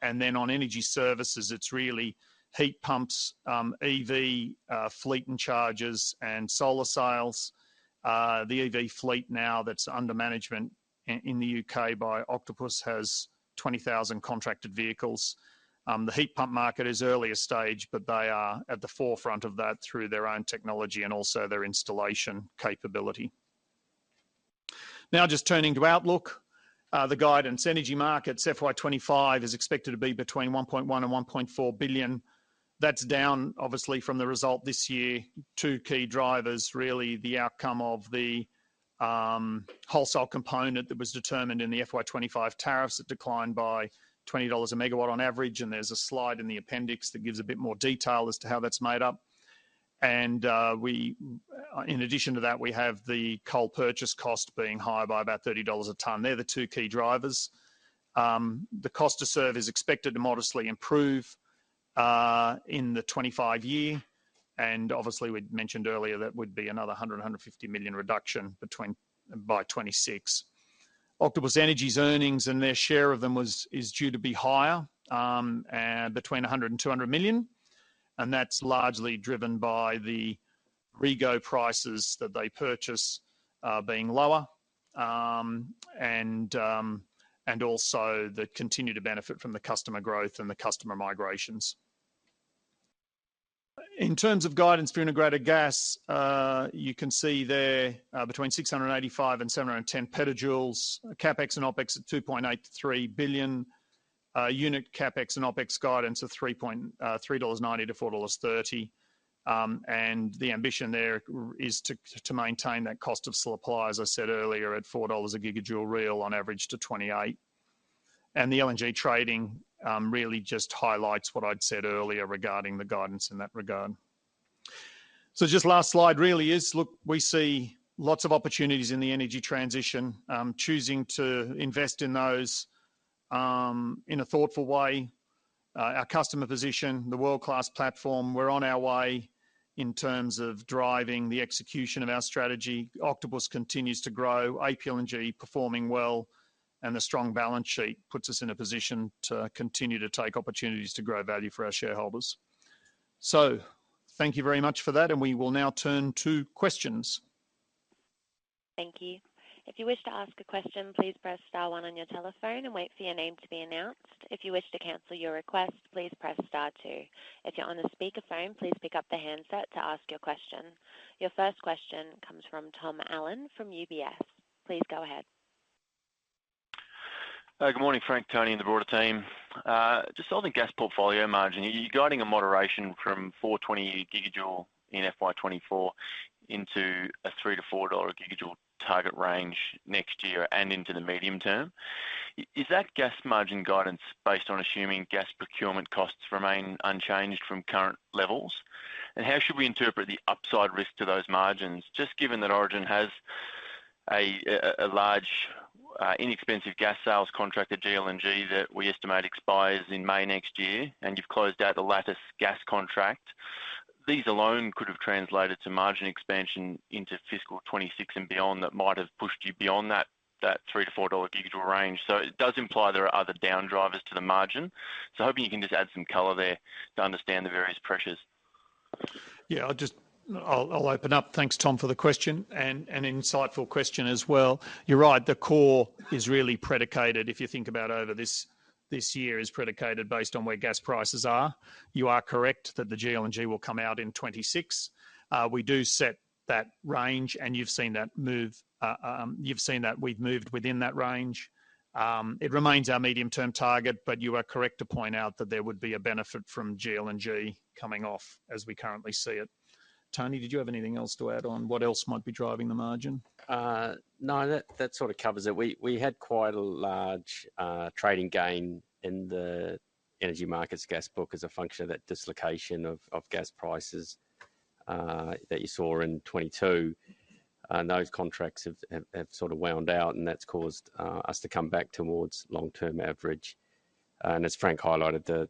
And then on energy services, it's really heat pumps, EV, fleet and chargers, and solar sales. The EV fleet now that's under management in the UK by Octopus has 20,000 contracted vehicles. The heat pump market is earlier stage, but they are at the forefront of that through their own technology and also their installation capability. Now just turning to outlook, the guidance energy markets FY 2025 is expected to be between 1.1 billion and 1.4 billion. That's down obviously from the result this year. Two key drivers, really, the outcome of the, wholesale component that was determined in the FY 2025 tariffs that declined by 20 dollars a megawatt on average, and there's a slide in the appendix that gives a bit more detail as to how that's made up. And, we, in addition to that, we have the coal purchase cost being higher by about 30 dollars a ton. They're the two key drivers. The cost to serve is expected to modestly improve, in the 2025 year, and obviously, we'd mentioned earlier that would be another 150 million reduction between, by 2026. Octopus Energy's earnings and their share of them was, is due to be higher, and between 100 million and 200 million, and that's largely driven by the REGO prices that they purchase being lower. And also they continue to benefit from the customer growth and the customer migrations. In terms of guidance for integrated gas, you can see there, between 685 and 710 petajoules, CapEx and OpEx at 2.83 billion, unit CapEx and OpEx guidance of 3.90-4.30 dollars. And the ambition there is to maintain that cost of supply, as I said earlier, at 4 dollars a gigajoule real on average to 2028. And the LNG trading really just highlights what I'd said earlier regarding the guidance in that regard. So just last slide really is, look, we see lots of opportunities in the energy transition, choosing to invest in those, in a thoughtful way. Our customer position, the world-class platform, we're on our way in terms of driving the execution of our strategy. Octopus continues to grow, APL and G performing well, and the strong balance sheet puts us in a position to continue to take opportunities to grow value for our shareholders. So thank you very much for that, and we will now turn to questions. Thank you. If you wish to ask a question, please press star one on your telephone and wait for your name to be announced. If you wish to cancel your request, please press star two. If you're on a speakerphone, please pick up the handset to ask your question. Your first question comes from Tom Allen from UBS. Please go ahead. Good morning, Frank, Tony, and the broader team. Just on the gas portfolio margin, you're guiding a moderation from $4.20/gigajoule in FY 2024 into a $3-$4/gigajoule target range next year and into the medium term. Is that gas margin guidance based on assuming gas procurement costs remain unchanged from current levels? And how should we interpret the upside risk to those margins, just given that Origin has a large inexpensive gas sales contract at GLNG that we estimate expires in May next year, and you've closed out the lattice gas contract. These alone could have translated to margin expansion into fiscal 2026 and beyond that might have pushed you beyond that $3-$4/gigajoule range. So it does imply there are other down drivers to the margin. Hoping you can just add some color there to understand the various pressures. Yeah, I'll just open up. Thanks, Tom, for the question, and an insightful question as well. You're right, the core is really predicated, if you think about over this, this year, is predicated based on where gas prices are. You are correct that the GLNG will come out in 2026. We do set that range, and you've seen that move, you've seen that we've moved within that range. It remains our medium-term target, but you are correct to point out that there would be a benefit from GLNG coming off as we currently see it. Tony, did you have anything else to add on what else might be driving the margin? No, that, that sort of covers it. We had quite a large trading gain in the energy markets gas book as a function of that dislocation of gas prices that you saw in 2022. And those contracts have sort of wound out, and that's caused us to come back towards long-term average. And as Frank highlighted, the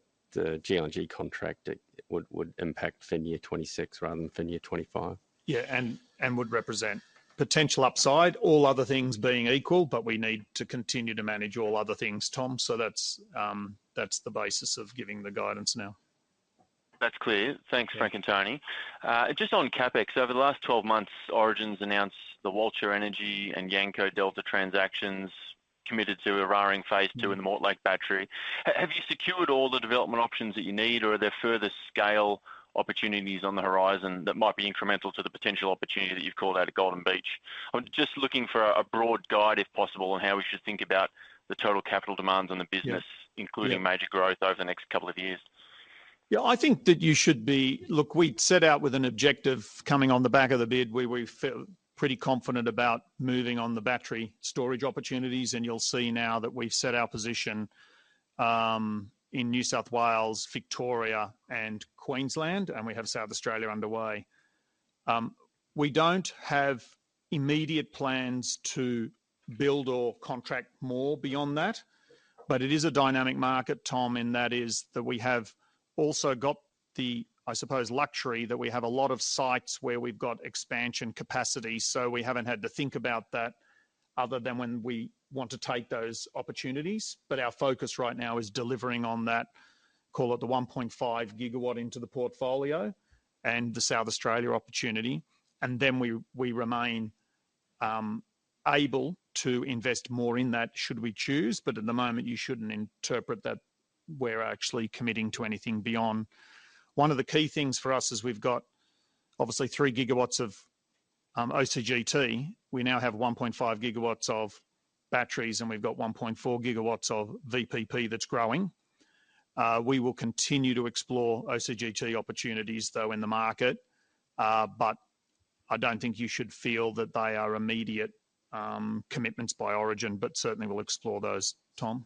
GLNG contract it would impact the year 2026 rather than the year 2025. Yeah, and would represent potential upside, all other things being equal, but we need to continue to manage all other things, Tom. So that's, that's the basis of giving the guidance now. That's clear. Thanks, Frank and Tony. Just on CapEx, over the last 12 months, Origin's announced the Walcha Energy and Yanco Delta transactions, committed to Eraring Phase Two and the Mortlake Battery. Have you secured all the development options that you need, or are there further scale opportunities on the horizon that might be incremental to the potential opportunity that you've called out at Golden Beach? I'm just looking for a broad guide, if possible, on how we should think about the total capital demands on the business- Yeah... including major growth over the next couple of years. Yeah, I think that you should be. Look, we'd set out with an objective coming on the back of the bid, where we felt pretty confident about moving on the battery storage opportunities, and you'll see now that we've set our position in New South Wales, Victoria, and Queensland, and we have South Australia underway. We don't have immediate plans to build or contract more beyond that, but it is a dynamic market, Tom, and that is that we have also got the, I suppose, luxury, that we have a lot of sites where we've got expansion capacity, so we haven't had to think about that other than when we want to take those opportunities. But our focus right now is delivering on that, call it the 1.5 gigawatt into the portfolio and the South Australia opportunity, and then we, we remain, able to invest more in that should we choose. But at the moment, you shouldn't interpret that we're actually committing to anything beyond. One of the key things for us is we've got obviously three gigawatts of OCGT. We now have 1.5 gigawatts of batteries, and we've got 1.4 gigawatts of VPP that's growing. We will continue to explore OCGT opportunities, though, in the market, but I don't think you should feel that they are immediate, commitments by Origin, but certainly we'll explore those, Tom.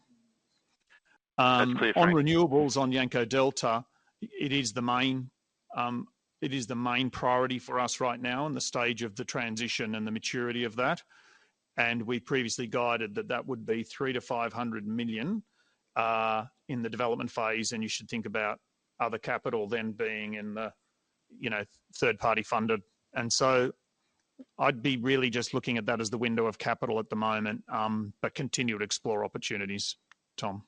On renewables, on Yanco Delta, it is the main, it is the main priority for us right now in the stage of the transition and the maturity of that. And we previously guided that that would be 300 million-500 million in the development phase, and you should think about other capital then being in the, you know, third-party funded. And so I'd be really just looking at that as the window of capital at the moment, but continue to explore opportunities, Tom.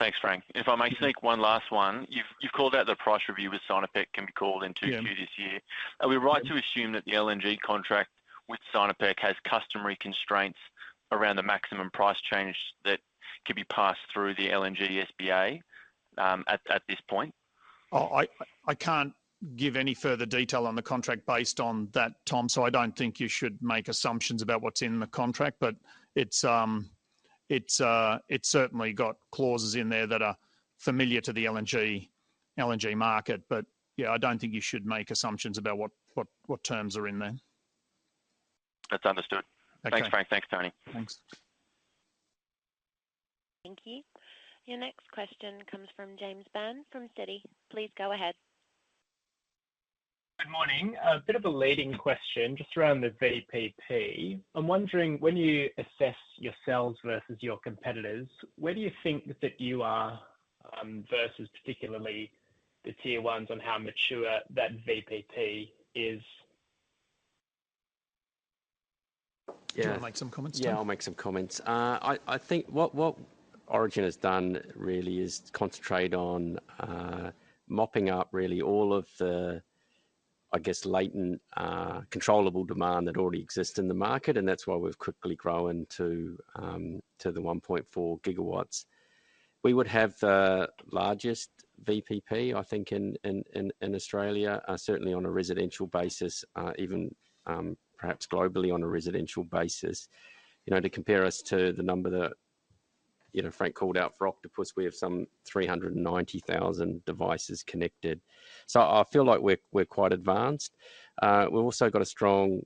Thanks, Frank. If I may sneak one last one. You've called out the price review with Sinopec can be called in 2Q this year. Are we right to assume that the LNG contract with Sinopec has customary constraints around the maximum price change that can be passed through the LNG SPA, at this point? Oh, I can't give any further detail on the contract based on that, Tom, so I don't think you should make assumptions about what's in the contract, but it's certainly got clauses in there that are familiar to the LNG market. But, yeah, I don't think you should make assumptions about what terms are in there. That's understood. Okay. Thanks, Frank. Thanks, Tony. Thanks. Thank you. Your next question comes from James Bann from Citi. Please go ahead. Good morning. A bit of a leading question, just around the VPP. I'm wondering, when you assess yourselves versus your competitors, where do you think that you are, versus particularly the tier ones on how mature that VPP is? Yeah. Do you want to make some comments, Tom? Yeah, I'll make some comments. I think what Origin has done really is concentrate on mopping up really all of the, I guess, latent controllable demand that already exists in the market, and that's why we've quickly grown to 1.4 GW. We would have the largest VPP, I think, in Australia, certainly on a residential basis, even perhaps globally on a residential basis. You know, to compare us to the number that, you know, Frank called out for Octopus, we have some 390,000 devices connected. So I feel like we're quite advanced. We've also got a strong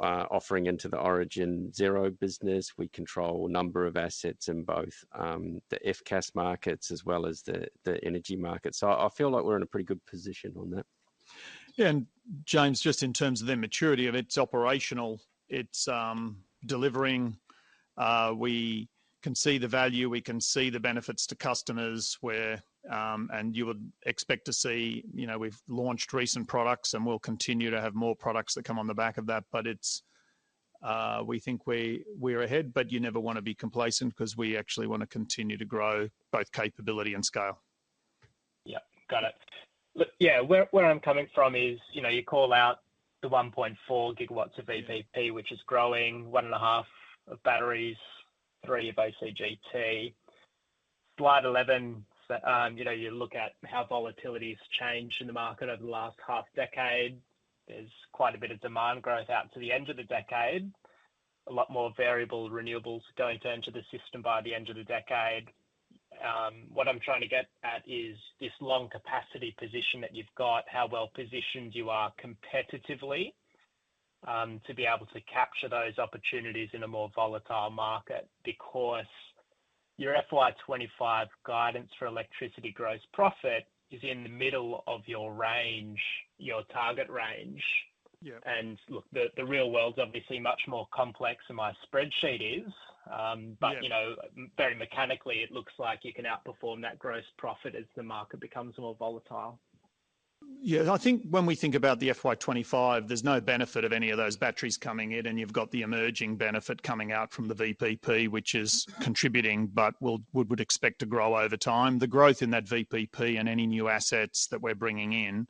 offering into the Origin Zero business. We control a number of assets in both the FCAS markets as well as the energy market. So I feel like we're in a pretty good position on that. Yeah, and James, just in terms of the maturity of it, it's operational, it's delivering, we can see the value, we can see the benefits to customers where, and you would expect to see... You know, we've launched recent products, and we'll continue to have more products that come on the back of that, but it's, we think we're ahead, but you never want to be complacent 'cause we actually want to continue to grow both capability and scale. Yeah, got it. Look, yeah, where, where I'm coming from is, you know, you call out the 1.4 gigawatts of VPP, which is growing 1.5 of batteries, three of OCGT. Slide 11, you know, you look at how volatility has changed in the market over the last half decade. There's quite a bit of demand growth out to the end of the decade. A lot more variable renewables going to enter the system by the end of the decade. What I'm trying to get at is this long capacity position that you've got, how well positioned you are competitively, to be able to capture those opportunities in a more volatile market, because your FY 2025 guidance for electricity gross profit is in the middle of your range, your target range. Yeah. Look, the real world is obviously much more complex than my spreadsheet is. Yeah... but, you know, very mechanically, it looks like you can outperform that gross profit as the market becomes more volatile. Yeah, I think when we think about the FY 25, there's no benefit of any of those batteries coming in, and you've got the emerging benefit coming out from the VPP, which is contributing, but we would expect to grow over time. The growth in that VPP and any new assets that we're bringing in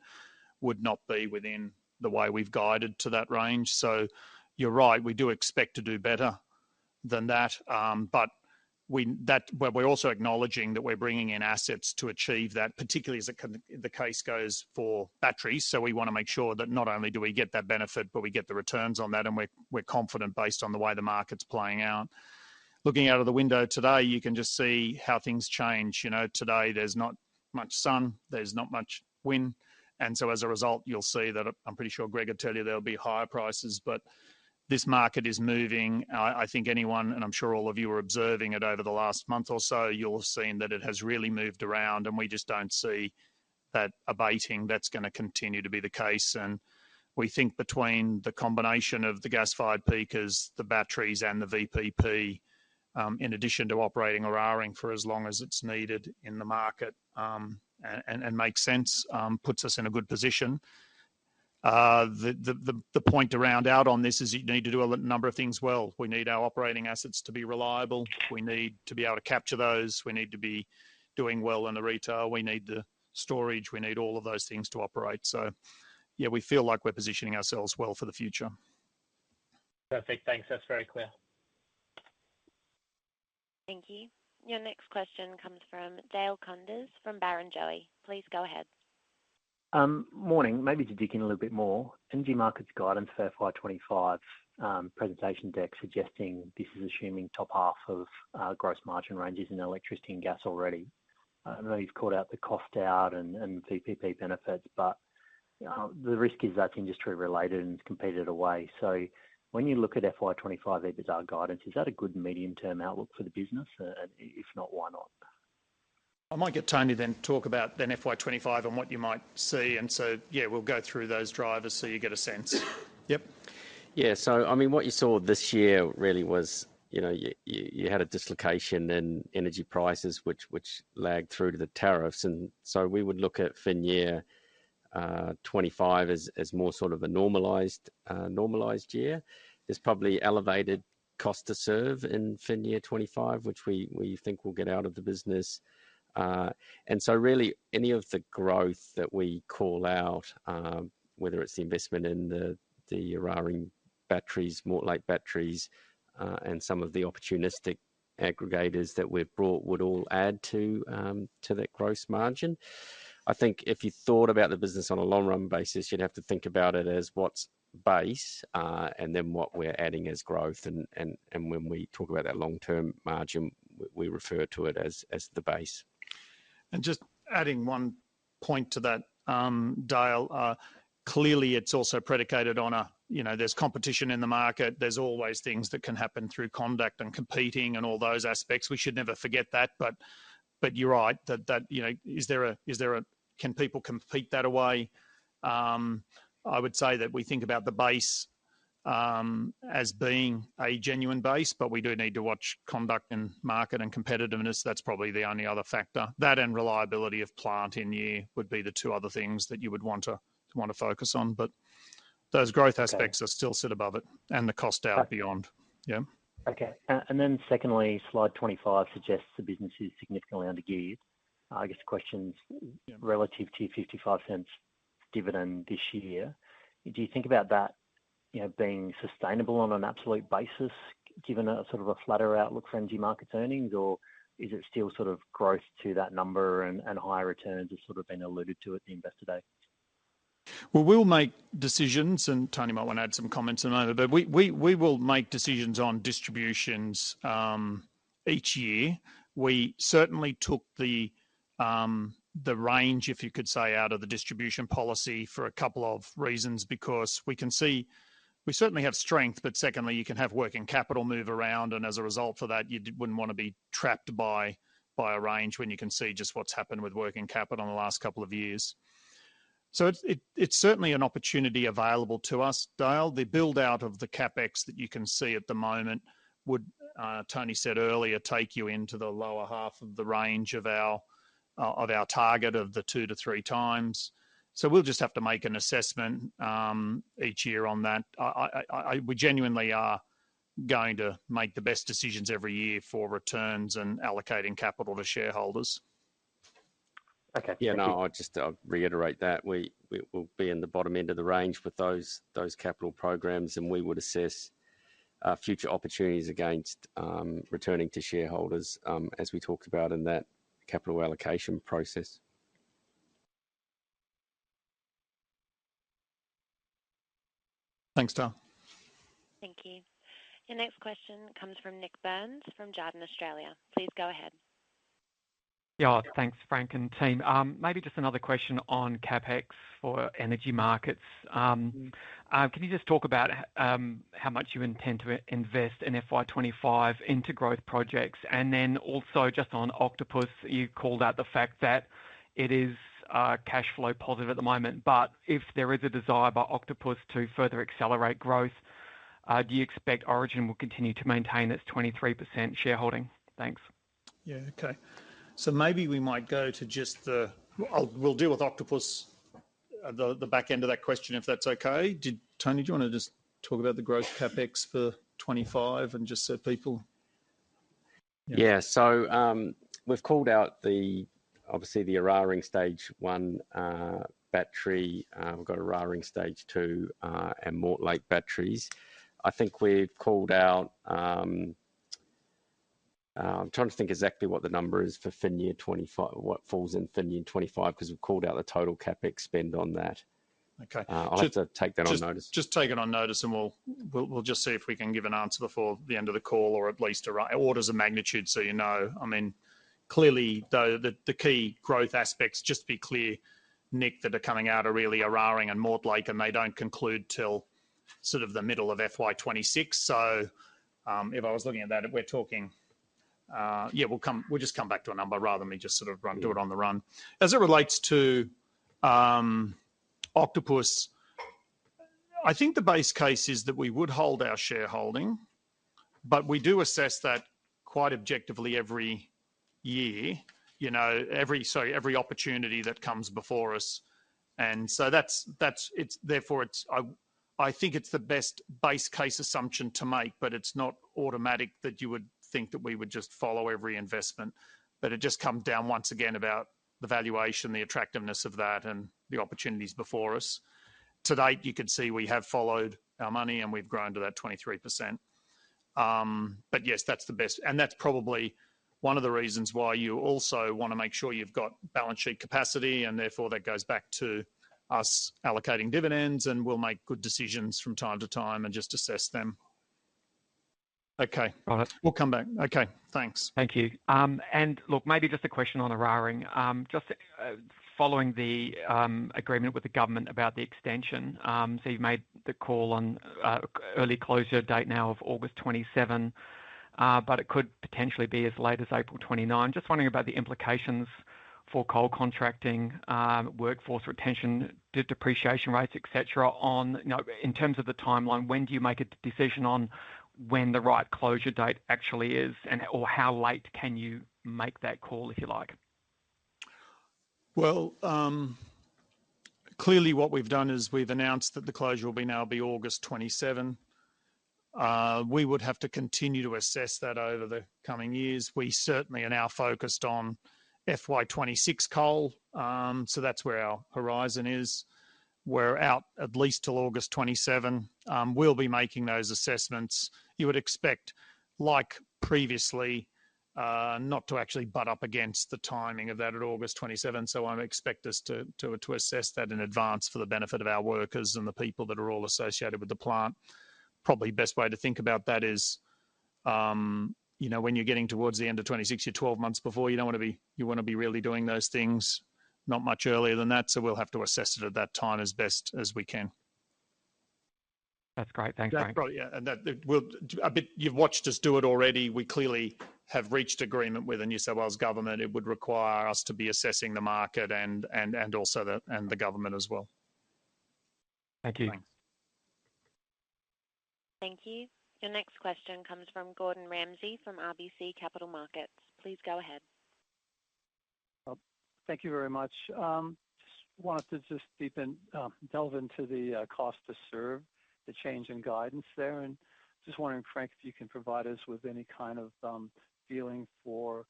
would not be within the way we've guided to that range. So you're right, we do expect to do better than that, but we're also acknowledging that we're bringing in assets to achieve that, particularly as the case goes for batteries. So we want to make sure that not only do we get that benefit, but we get the returns on that, and we're confident based on the way the market's playing out. Looking out of the window today, you can just see how things change. You know, today there's not much sun, there's not much wind, and so as a result, you'll see that, I'm pretty sure Greg would tell you there'll be higher prices, but this market is moving. I think anyone, and I'm sure all of you are observing it over the last month or so, you'll have seen that it has really moved around, and we just don't see that abating. That's gonna continue to be the case, and we think between the combination of the gas-fired peakers, the batteries, and the VPP, in addition to operating Eraring for as long as it's needed in the market, and makes sense, puts us in a good position. The point to round out on this is you need to do a number of things well. We need our operating assets to be reliable. We need to be able to capture those. We need to be doing well in the retail. We need the storage. We need all of those things to operate. So yeah, we feel like we're positioning ourselves well for the future. Perfect, thanks. That's very clear.... Thank you. Your next question comes from Dale Koenders from Barrenjoey. Please go ahead. Morning. Maybe to dig in a little bit more, Energy Markets' guidance for FY 25, presentation deck suggesting this is assuming top half of, gross margin ranges in electricity and gas already. I know you've called out the cost out and, and PPP benefits, but, the risk is that's industry-related and competed away. So when you look at FY 25 EBITDA guidance, is that a good medium-term outlook for the business? And if not, why not? I might get Tony then talk about then FY 2025 and what you might see, and so, yeah, we'll go through those drivers so you get a sense. Yep. Yeah, so I mean, what you saw this year really was, you know, you had a dislocation in energy prices, which lagged through to the tariffs. So we would look at fin year 2025 as more sort of a normalized year. There's probably elevated cost to serve in fin year 2025, which we think will get out of the business. And so really, any of the growth that we call out, whether it's the investment in the Eraring batteries, Mortlake batteries, and some of the opportunistic aggregators that we've brought would all add to that gross margin. I think if you thought about the business on a long-run basis, you'd have to think about it as what's base, and then what we're adding as growth. And when we talk about that long-term margin, we refer to it as the base. Just adding one point to that, Dale, clearly, it's also predicated on a, you know, there's competition in the market, there's always things that can happen through conduct and competing and all those aspects. We should never forget that, but you're right, that, you know, is there a, is there a - can people compete that away? I would say that we think about the base as being a genuine base, but we do need to watch conduct and market and competitiveness. That's probably the only other factor. That and reliability of plant in year would be the two other things that you would want to focus on, but those growth aspects are still set above it, and the cost out beyond. Okay. Yeah. Okay. And then secondly, slide 25 suggests the business is significantly undergeared. I guess the question's relative to your 0.55 dividend this year, do you think about that, you know, being sustainable on an absolute basis, given a sort of a flatter outlook for energy markets earnings? Or is it still sort of growth to that number and, and higher returns as sort of been alluded to at the Investor Day? Well, we'll make decisions, and Tony might want to add some comments on that, but we will make decisions on distributions each year. We certainly took the range, if you could say, out of the distribution policy for a couple of reasons, because we can see, we certainly have strength, but secondly, you can have working capital move around, and as a result of that, you wouldn't want to be trapped by a range when you can see just what's happened with working capital in the last couple of years. So it's certainly an opportunity available to us, Dale. The build-out of the CapEx that you can see at the moment would, Tony said earlier, take you into the lower half of the range of our target of the two to three times. So we'll just have to make an assessment each year on that. We genuinely are going to make the best decisions every year for returns and allocating capital to shareholders. Okay, thank you. Yeah, no, I'll just reiterate that. We will be in the bottom end of the range with those capital programs, and we would assess future opportunities against returning to shareholders, as we talked about in that capital allocation process. Thanks, Dale. Thank you. Your next question comes from Nik Burns, from Jarden Australia. Please go ahead. Yeah, thanks, Frank and team. Maybe just another question on CapEx for energy markets. Can you just talk about how much you intend to invest in FY 2025 into growth projects? And then also just on Octopus, you called out the fact that it is cash flow positive at the moment, but if there is a desire by Octopus to further accelerate growth, do you expect Origin will continue to maintain its 23% shareholding? Thanks. Yeah, okay. So maybe we might go to just the... We'll deal with Octopus, the back end of that question, if that's okay. Did-- Tony, do you want to just talk about the growth CapEx for 25 and just so people- Yeah. So, we've called out the, obviously, the Eraring Stage One battery. We've got Eraring Stage Two, and Mortlake batteries. I think we've called out, I'm trying to think exactly what the number is for FY 2025, what falls in FY 2025, 'cause we've called out the total CapEx spend on that. Okay. I'll have to take that on notice. Just take it on notice, and we'll just see if we can give an answer before the end of the call, or at least a rough order of magnitude, so you know. I mean, clearly, though, the key growth aspects, just to be clear, Nik, that are coming out are really Eraring and Mortlake, and they don't conclude till sort of the middle of FY 2026. So, if I was looking at that, we're talking, yeah, we'll just come back to a number rather than me just sort of run, do it on the run. As it relates to Octopus, I think the base case is that we would hold our shareholding, but we do assess that quite objectively every year, you know, so every opportunity that comes before us. And so that's it. Therefore, I think it's the best base case assumption to make, but it's not automatic that you would think that we would just follow every investment. But it just comes down, once again, about the valuation, the attractiveness of that, and the opportunities before us. To date, you could see we have followed our money, and we've grown to that 23%. But yes, that's the best. And that's probably one of the reasons why you also wanna make sure you've got balance sheet capacity, and therefore, that goes back to us allocating dividends, and we'll make good decisions from time to time and just assess them. Okay. All right. We'll come back. Okay, thanks. Thank you. And look, maybe just a question on Eraring. Just, following the, agreement with the government about the extension, so you've made the call on, early closure date now of August 2027, but it could potentially be as late as April 2029. Just wondering about the implications for coal contracting, workforce retention, depreciation rates, et cetera, on, you know, in terms of the timeline, when do you make a decision on when the right closure date actually is, and, or how late can you make that call, if you like? Well, clearly what we've done is we've announced that the closure will now be August 2027. We would have to continue to assess that over the coming years. We certainly are now focused on FY 2026 coal, so that's where our horizon is. We're out at least till August 2027. We'll be making those assessments. You would expect, like previously, not to actually butt up against the timing of that at August 2027, so I'd expect us to assess that in advance for the benefit of our workers and the people that are all associated with the plant. Probably best way to think about that is, you know, when you're getting towards the end of 26, you're 12 months before, you don't wanna be-- you wanna be really doing those things, not much earlier than that, so we'll have to assess it at that time as best as we can. That's great. Thanks, Frank. That's probably, yeah, and that, it, we'll... A bit, you've watched us do it already. We clearly have reached agreement with the New South Wales government. It would require us to be assessing the market and also the government as well. Thank you. Thanks. Thank you. Your next question comes from Gordon Ramsay from RBC Capital Markets. Please go ahead. Thank you very much. Just wanted to just deepen, delve into the Cost to Serve, the change in guidance there. Just wondering, Frank, if you can provide us with any kind of feeling for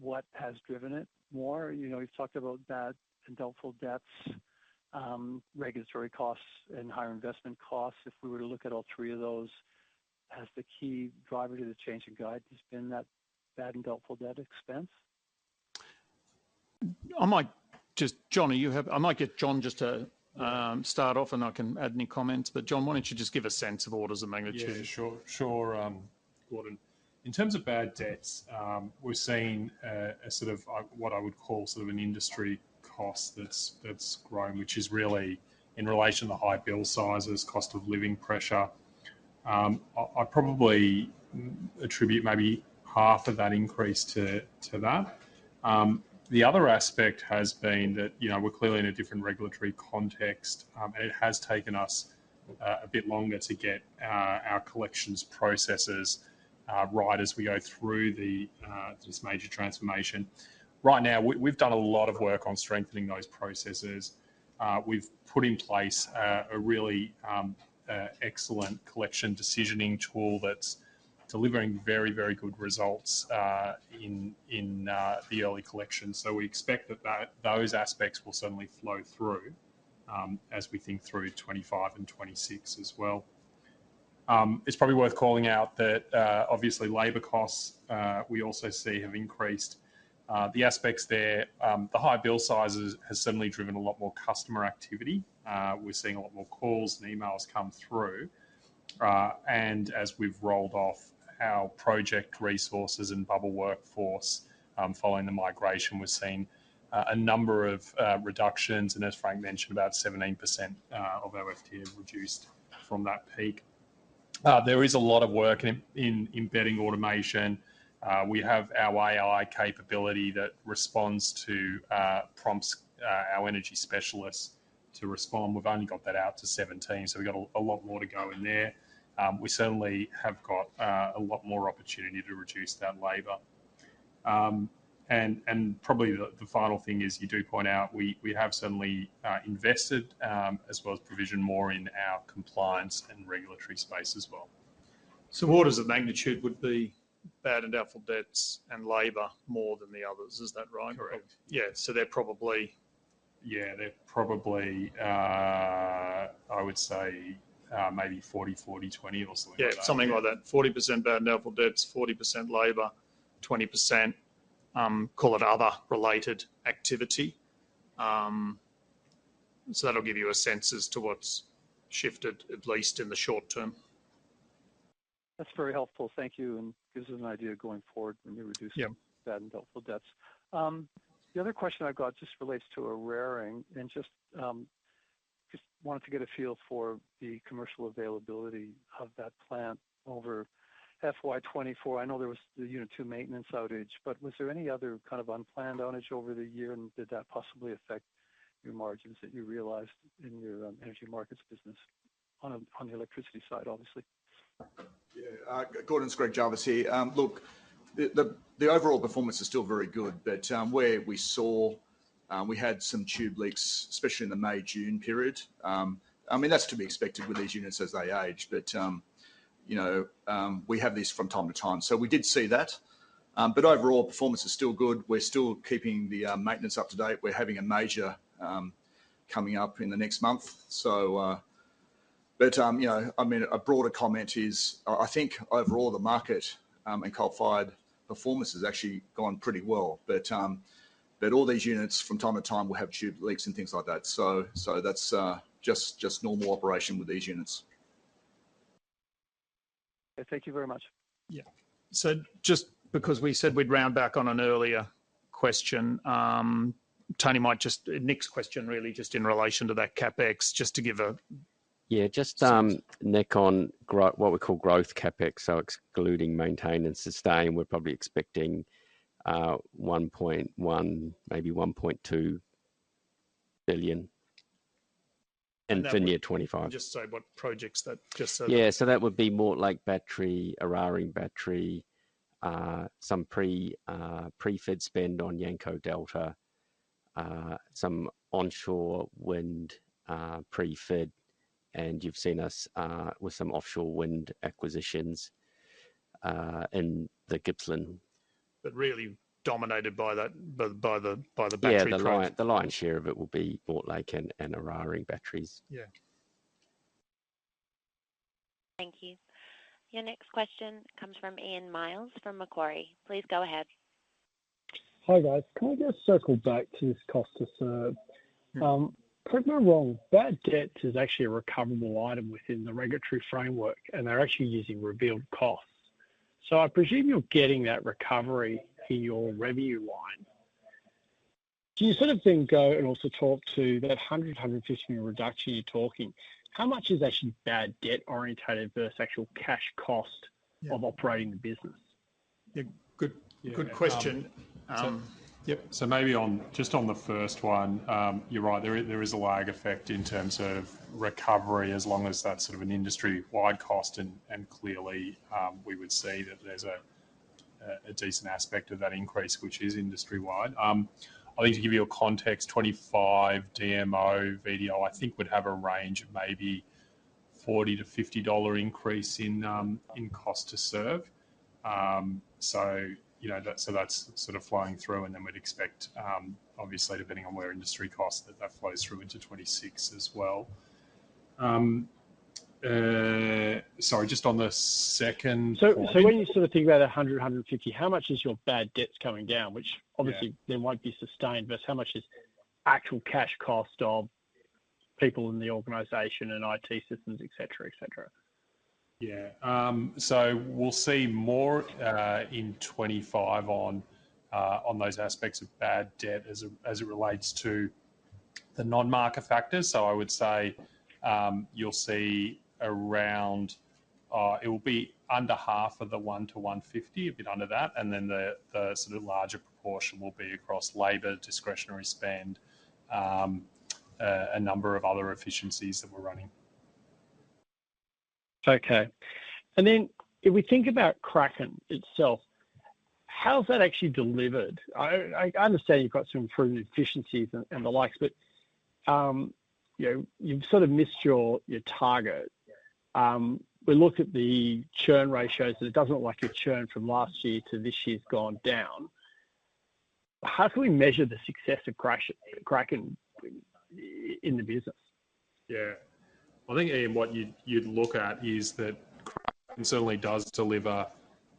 what has driven it more. You know, you've talked about bad and doubtful debts, regulatory costs, and higher investment costs. If we were to look at all three of those as the key driver to the change in guidance, has been that bad and doubtful debt expense? I might just... I might get Jon just to start off, and I can add any comments. But, Jon, why don't you just give a sense of orders of magnitude? Yeah, sure. Sure, Gordon. In terms of bad debts, we're seeing a sort of what I would call sort of an industry cost that's grown, which is really in relation to high bill sizes, cost of living pressure. I probably attribute maybe half of that increase to that. The other aspect has been that, you know, we're clearly in a different regulatory context, and it has taken us a bit longer to get our collections processes right as we go through this major transformation. Right now, we've done a lot of work on strengthening those processes. We've put in place a really excellent collection decisioning tool that's delivering very, very good results in the early collection. So we expect that those aspects will certainly flow through as we think through 2025 and 2026 as well. It's probably worth calling out that, obviously, labor costs we also see have increased. The aspects there, the high bill sizes has certainly driven a lot more customer activity. We're seeing a lot more calls and emails come through. And as we've rolled off our project resources and bulge workforce following the migration, we've seen a number of reductions, and as Frank mentioned, about 17% of our FTE have reduced from that peak. There is a lot of work in embedding automation. We have our AI capability that responds to prompts our energy specialists to respond. We've only got that out to 17, so we've got a lot more to go in there. We certainly have got a lot more opportunity to reduce that labor. And probably the final thing is, you do point out, we have certainly invested as well as provisioned more in our compliance and regulatory space as well. Orders of magnitude would be bad and doubtful debts and labor more than the others. Is that right? Correct. Yeah, so they're probably... Yeah, they're probably, I would say, maybe 40, 40, 20, or something like that. Yeah, something like that. 40% bad and doubtful debts, 40% labor, 20%, call it other related activity. So that'll give you a sense as to what's shifted, at least in the short term. That's very helpful. Thank you, and gives us an idea going forward when you're reducing- Yeah... bad and doubtful debts. The other question I've got just relates to Eraring, and just, just wanted to get a feel for the commercial availability of that plant over FY 2024. I know there was the unit two maintenance outage, but was there any other kind of unplanned outage over the year, and did that possibly affect your margins that you realized in your, energy markets business on the, on the electricity side, obviously? Yeah, Gordon, it's Greg Jarvis here. Look, the overall performance is still very good, but where we saw, we had some tube leaks, especially in the May, June period. I mean, that's to be expected with these units as they age, but, you know, we have these from time to time. So we did see that, but overall, performance is still good. We're still keeping the maintenance up to date. We're having a major... coming up in the next month. So, but, you know, I mean, a broader comment is, I think overall, the market and coal-fired performance has actually gone pretty well. But, but all these units from time to time will have tube leaks and things like that. So, that's just, just normal operation with these units. Thank you very much. Yeah. So just because we said we'd round back on an earlier question, Tony might just, Nik's question really just in relation to that CapEx, just to give a- Yeah, just Nick, on growth, what we call growth CapEx, so excluding maintain and sustain, we're probably expecting 1.1 billion, maybe 1.2 billion for FY 25. Just so what projects that just so- Yeah, so that would be more like battery, Eraring Battery, some pre-FID spend on Yanco Delta, some onshore wind pre-FID, and you've seen us with some offshore wind acquisitions in the Gippsland. But really dominated by that, by the battery plant. Yeah, the lion's share of it will be Mortlake and Eraring batteries. Yeah. Thank you. Your next question comes from Ian Myles, from Macquarie. Please go ahead. Hi, guys. Can I just circle back to this cost to serve? Correct me if I'm wrong, bad debt is actually a recoverable item within the regulatory framework, and they're actually using revealed costs. So I presume you're getting that recovery in your revenue line. Can you sort of then go and also talk to that 150 reduction you're talking? How much is actually bad debt oriented versus actual cash cost- Yeah... of operating the business? Yeah, good, good question. Um- Yep. So maybe on, just on the first one, you're right, there is a lag effect in terms of recovery, as long as that's sort of an industry-wide cost, and clearly, we would see that there's a decent aspect of that increase, which is industry-wide. I'll need to give you a context. 2025 DMO, VDO, I think, would have a range of maybe 40-50 dollar increase in cost to serve. So you know, that's sort of flowing through, and then we'd expect, obviously, depending on where industry costs, that flows through into 2026 as well. Sorry, just on the second point- So, when you sort of think about 100, 150, how much is your bad debts coming down? Which- Yeah... obviously, they won't be sustained, but how much is actual cash cost of people in the organization and IT systems, et cetera, et cetera? Yeah. So we'll see more in 2025 on those aspects of bad debt as it relates to the non-market factors. So I would say, you'll see around, it will be under half of the 100-150, a bit under that, and then the sort of larger proportion will be across labor, discretionary spend, a number of other efficiencies that we're running. Okay. And then if we think about Kraken itself, how's that actually delivered? I understand you've got some improved efficiencies and the likes, but you know, you've sort of missed your target. We look at the churn ratios, and it doesn't look like your churn from last year to this year's gone down. How can we measure the success of Kraken in the business? Yeah. I think, Ian, what you'd look at is that Kraken certainly does deliver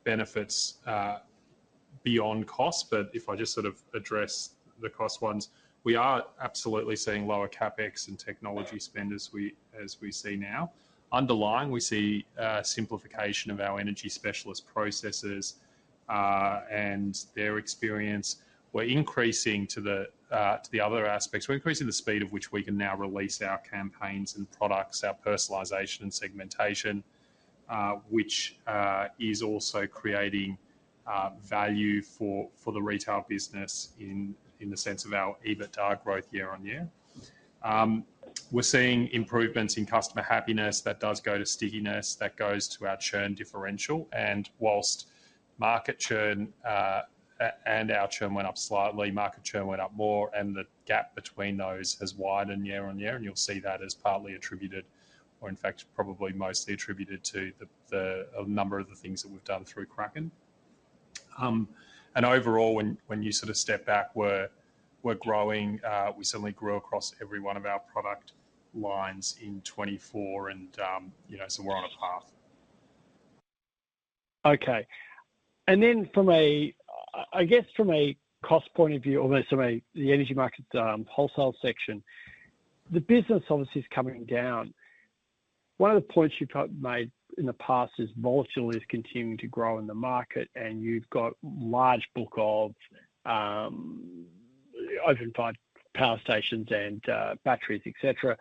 benefits beyond cost, but if I just sort of address the cost ones, we are absolutely seeing lower CapEx and technology spend as we see now. Underlying, we see simplification of our energy specialist processes and their experience. We're increasing to the other aspects. We're increasing the speed of which we can now release our campaigns and products, our personalization and segmentation, which is also creating value for the retail business in the sense of our EBITDA growth year on year. We're seeing improvements in customer happiness that does go to stickiness, that goes to our churn differential, and while market churn and our churn went up slightly, market churn went up more, and the gap between those has widened year on year, and you'll see that as partly attributed, or in fact, probably mostly attributed to a number of the things that we've done through Kraken. And overall, when you sort of step back, we're growing, we certainly grew across every one of our product lines in 2024, and you know, so we're on a path. Okay. Then from a, I guess from a cost point of view, or let's say the energy market, wholesale section, the business obviously is coming down. One of the points you've made in the past is volatility is continuing to grow in the market, and you've got large book of open-cycle power stations and batteries, et cetera.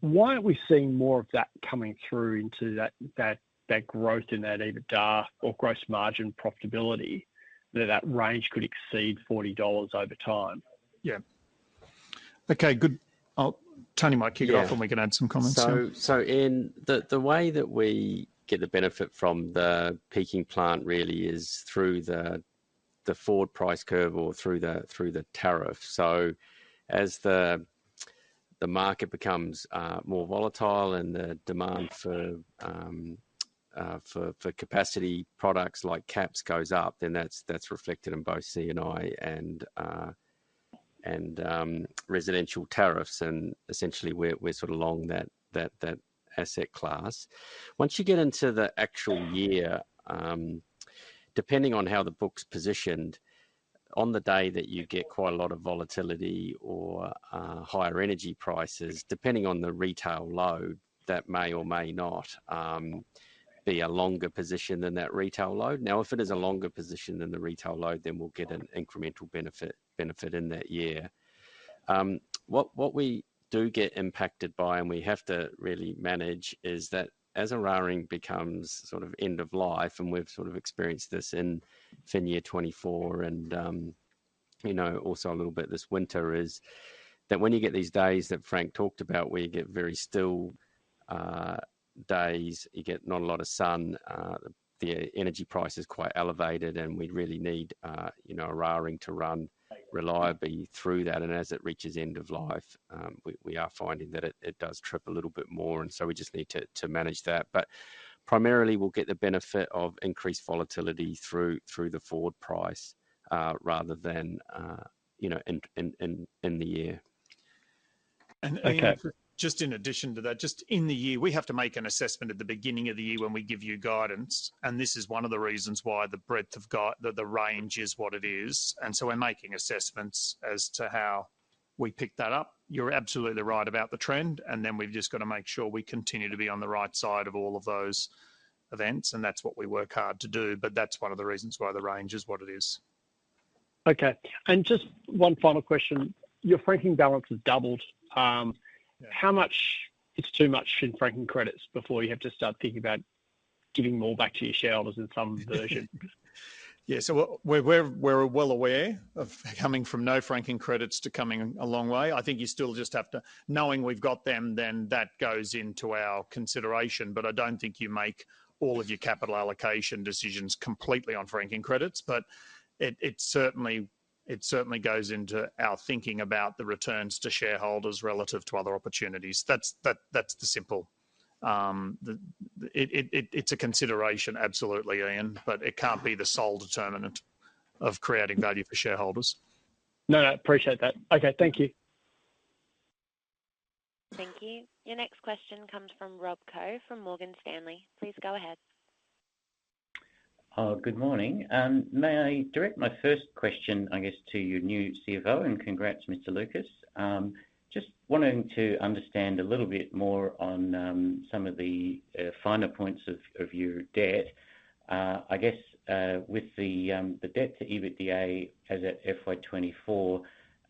Why aren't we seeing more of that coming through into that growth in that EBITDA or gross margin profitability, that range could exceed 40 dollars over time? Yeah. Okay, good. Tony might kick it off- Yeah... and we can add some comments. So, Ian, the way that we get the benefit from the peaking plant really is through the forward price curve or through the tariff. So as the market becomes more volatile and the demand for capacity products like caps goes up, then that's reflected in both C&I and residential tariffs, and essentially we're sort of along that asset class. Once you get into the actual year, depending on how the book's positioned, on the day that you get quite a lot of volatility or higher energy prices, depending on the retail load, that may or may not be a longer position than that retail load. Now, if it is a longer position than the retail load, then we'll get an incremental benefit in that year. What, what we do get impacted by, and we have to really manage, is that as Eraring becomes sort of end of life, and we've sort of experienced this in FY 2024 and, you know, also a little bit this winter, is that when you get these days that Frank talked about, where you get very still, days, you get not a lot of sun, the energy price is quite elevated, and we'd really need, you know, Eraring to run reliably through that. And as it reaches end of life, we are finding that it does trip a little bit more, and so we just need to manage that. But primarily, we'll get the benefit of increased volatility through the forward price, rather than, you know, in the year. And, Ian. Okay. Just in addition to that, just in the year, we have to make an assessment at the beginning of the year when we give you guidance, and this is one of the reasons why the breadth of the range is what it is. And so we're making assessments as to how we pick that up. You're absolutely right about the trend, and then we've just got to make sure we continue to be on the right side of all of those events, and that's what we work hard to do. But that's one of the reasons why the range is what it is. Okay, and just one final question: Your franking balance has doubled. Yeah. How much is too much in franking credits before you have to start thinking about giving more back to your shareholders in some version? Yeah. So we're well aware of coming from no franking credits to coming a long way. I think you still just have to, knowing we've got them, then that goes into our consideration, but I don't think you make all of your capital allocation decisions completely on franking credits, but it certainly goes into our thinking about the returns to shareholders relative to other opportunities. That's the simple. It's a consideration, absolutely, Ian, but it can't be the sole determinant of creating value for shareholders. No, no, appreciate that. Okay, thank you. Thank you. Your next question comes from Rob Koh, from Morgan Stanley. Please go ahead. Good morning. May I direct my first question, I guess, to your new CFO, and congrats, Mr. Lucas. Just wanting to understand a little bit more on some of the finer points of your debt. I guess, with the debt to EBITDA as at FY 2024,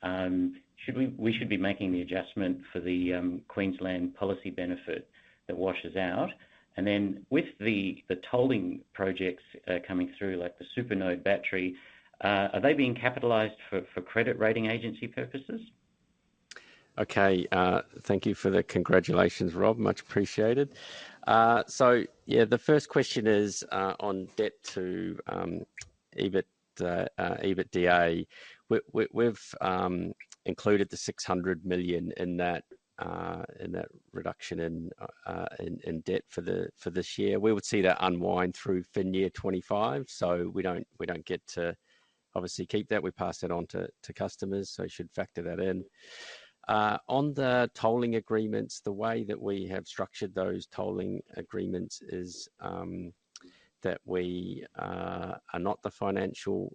should we-- we should be making the adjustment for the Queensland policy benefit that washes out. And then with the tolling projects coming through, like the Supernode Battery, are they being capitalized for credit rating agency purposes? Okay, thank you for the congratulations, Rob. Much appreciated. So yeah, the first question is on debt to EBIT, EBITDA. We've included the 600 million in that reduction in debt for this year. We would see that unwind through FY 2025, so we don't get to obviously keep that. We pass it on to customers, so you should factor that in. On the tolling agreements, the way that we have structured those tolling agreements is that we are not the financial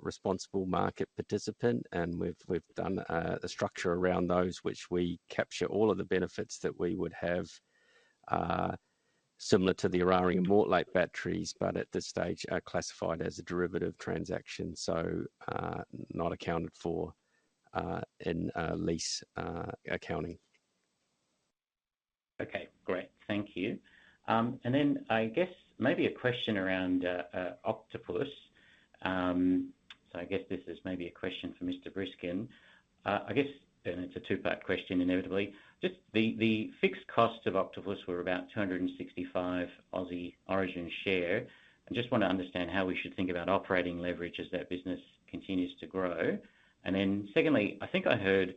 responsible market participant, and we've done the structure around those, which we capture all of the benefits that we would have, similar to the Eraring and Mortlake batteries, but at this stage are classified as a derivative transaction, so not accounted for in lease accounting. Okay, great. Thank you. And then I guess maybe a question around Octopus. So I guess this is maybe a question for Mr. Briskin. I guess, and it's a two-part question, inevitably. Just the fixed costs of Octopus were about 265 Origin share. I just want to understand how we should think about operating leverage as that business continues to grow. And then secondly, I think I heard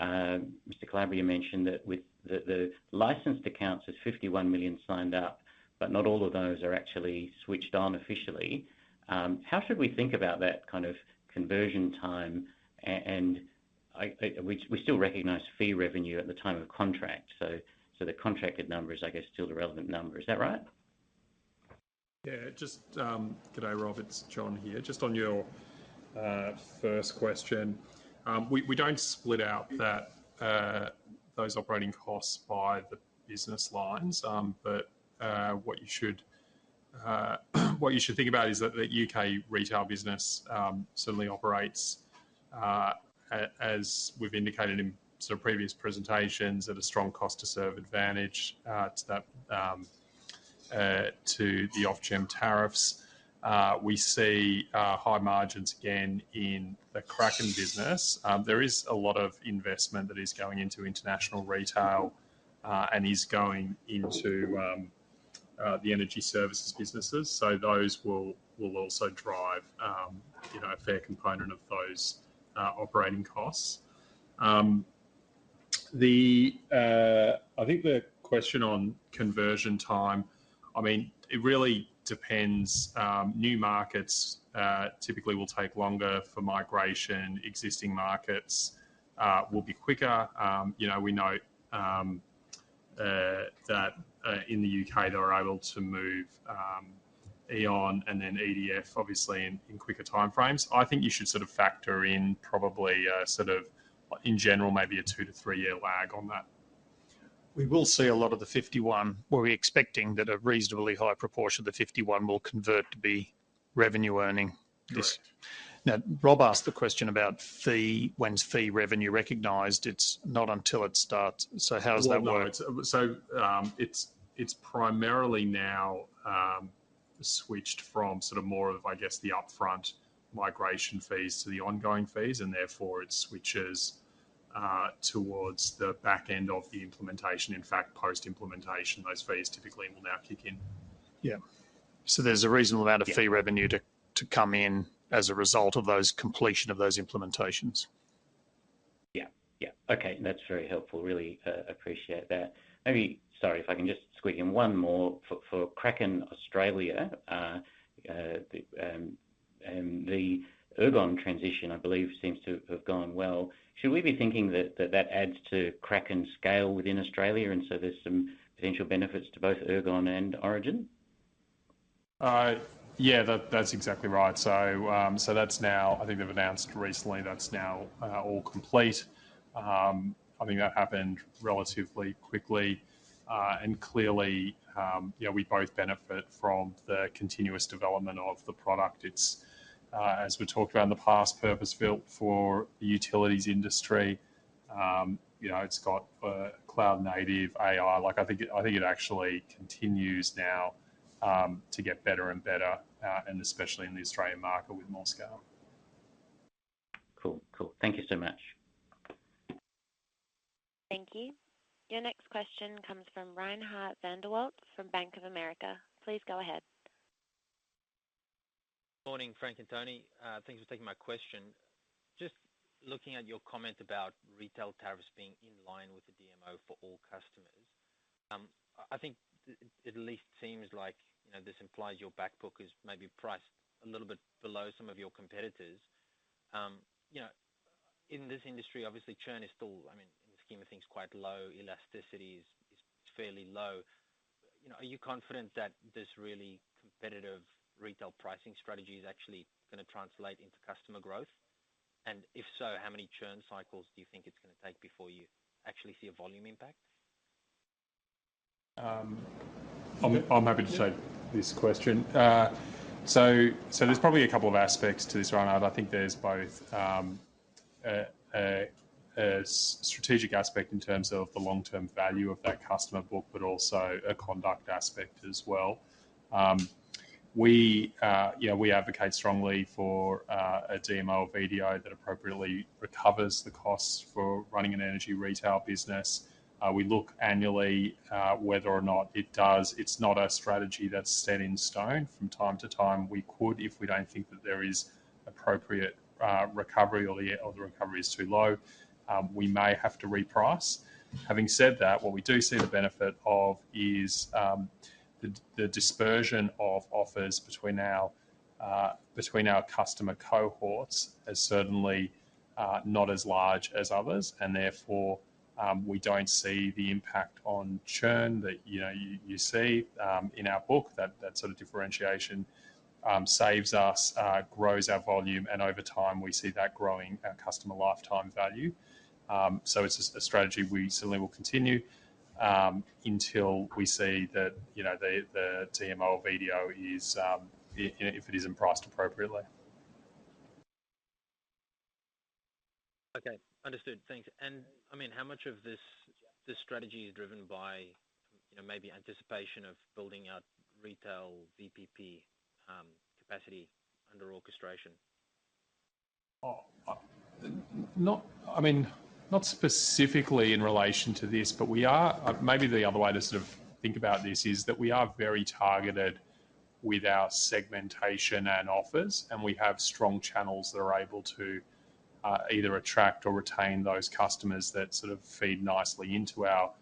Mr. Calabria mention that with the licensed accounts is 51 million signed up, but not all of those are actually switched on officially. How should we think about that kind of conversion time? And we still recognize fee revenue at the time of contract, so the contracted number is, I guess, still the relevant number. Is that right? Yeah, just good day, Rob, it's Jon here. Just on your first question, we don't split out those operating costs by the business lines. But what you should think about is that the UK retail business certainly operates, as we've indicated in sort of previous presentations, at a strong cost to serve advantage to the Ofgem tariffs. We see high margins again in the Kraken business. There is a lot of investment that is going into international retail and is going into the energy services businesses. So those will also drive, you know, a fair component of those operating costs. I think the question on conversion time, I mean, it really depends. New markets typically will take longer for migration. Existing markets will be quicker. You know, we know that in the U.K., they were able to move E.ON and then EDF, obviously in quicker time frames. I think you should sort of factor in probably sort of in general, maybe a two to three year lag on that. We will see a lot of the 51. Were we expecting that a reasonably high proportion of the 51 will convert to be revenue earning this? Correct. Now, Rob asked the question about FY, when's FY revenue recognized? It's not until it starts. So how does that work? Well, no, it's primarily now switched from sort of more of, I guess, the upfront migration fees to the ongoing fees, and therefore it switches towards the back end of the implementation. In fact, post-implementation, those fees typically will now kick in. Yeah. So there's a reasonable amount- Yeah... of fee revenue to come in as a result of those completion of those implementations? Yeah. Yeah. Okay, that's very helpful. Really, appreciate that. Maybe, sorry, if I can just squeak in one more for Kraken Australia. The Ergon transition, I believe, seems to have gone well. Should we be thinking that adds to Kraken scale within Australia, and so there's some potential benefits to both Ergon and Origin? Yeah, that, that's exactly right. So, so that's now—I think they've announced recently, that's now all complete. I think that happened relatively quickly. And clearly, you know, we both benefit from the continuous development of the product. It's as we talked about in the past, purpose-built for the utilities industry. You know, it's got cloud native AI. Like, I think it actually continues now to get better and better, and especially in the Australian market with more scale. Cool. Cool. Thank you so much. Thank you. Your next question comes from Reinhardt van der Walt from Bank of America. Please go ahead. Morning, Frank and Tony. Thanks for taking my question. Just looking at your comment about retail tariffs being in line with the DMO for all customers, I think at least seems like, you know, this implies your back book is maybe priced a little bit below some of your competitors. You know, in this industry, obviously, churn is still, I mean, in the scheme of things, quite low. Elasticity is, is fairly low. You know, are you confident that this really competitive retail pricing strategy is actually going to translate into customer growth? And if so, how many churn cycles do you think it's going to take before you actually see a volume impact? I'm happy to take this question. So, there's probably a couple of aspects to this, Reinhardt. I think there's both a strategic aspect in terms of the long-term value of that customer book, but also a conduct aspect as well. You know, we advocate strongly for a DMO or VDO that appropriately recovers the costs for running an energy retail business. We look annually whether or not it does. It's not a strategy that's set in stone. From time to time, we could, if we don't think that there is appropriate recovery or the recovery is too low, we may have to reprice. Having said that, what we do see the benefit of is the dispersion of offers between our between our customer cohorts is certainly not as large as others, and therefore, we don't see the impact on churn that, you know, you see. In our book, that sort of differentiation saves us, grows our volume, and over time, we see that growing our customer lifetime value. So it's a strategy we certainly will continue until we see that, you know, the DMO or VDO is, you know, if it isn't priced appropriately. Okay, understood. Thanks. And, I mean, how much of this, this strategy is driven by, you know, maybe anticipation of building out retail VPP capacity under orchestration? I mean, not specifically in relation to this, but we are, maybe the other way to sort of think about this is that we are very targeted with our segmentation and offers, and we have strong channels that are able to either attract or retain those customers that sort of feed nicely into our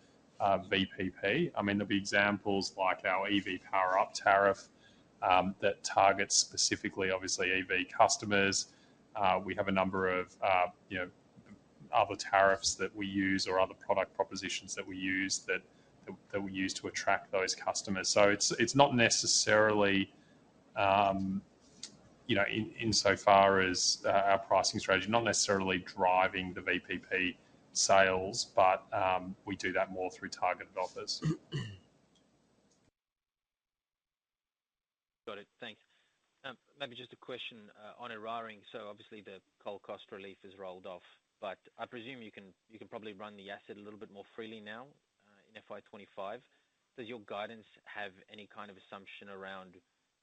VPP. I mean, there'll be examples like our EV Power Up tariff that targets specifically, obviously, EV customers. We have a number of, you know, other tariffs that we use or other product propositions that we use, that we use to attract those customers. So it's not necessarily, you know, insofar as our pricing strategy, not necessarily driving the VPP sales, but we do that more through targeted offers. Got it. Thanks. Maybe just a question on Eraring. So obviously, the coal cost relief is rolled off, but I presume you can probably run the asset a little bit more freely now in FY 25. Does your guidance have any kind of assumption around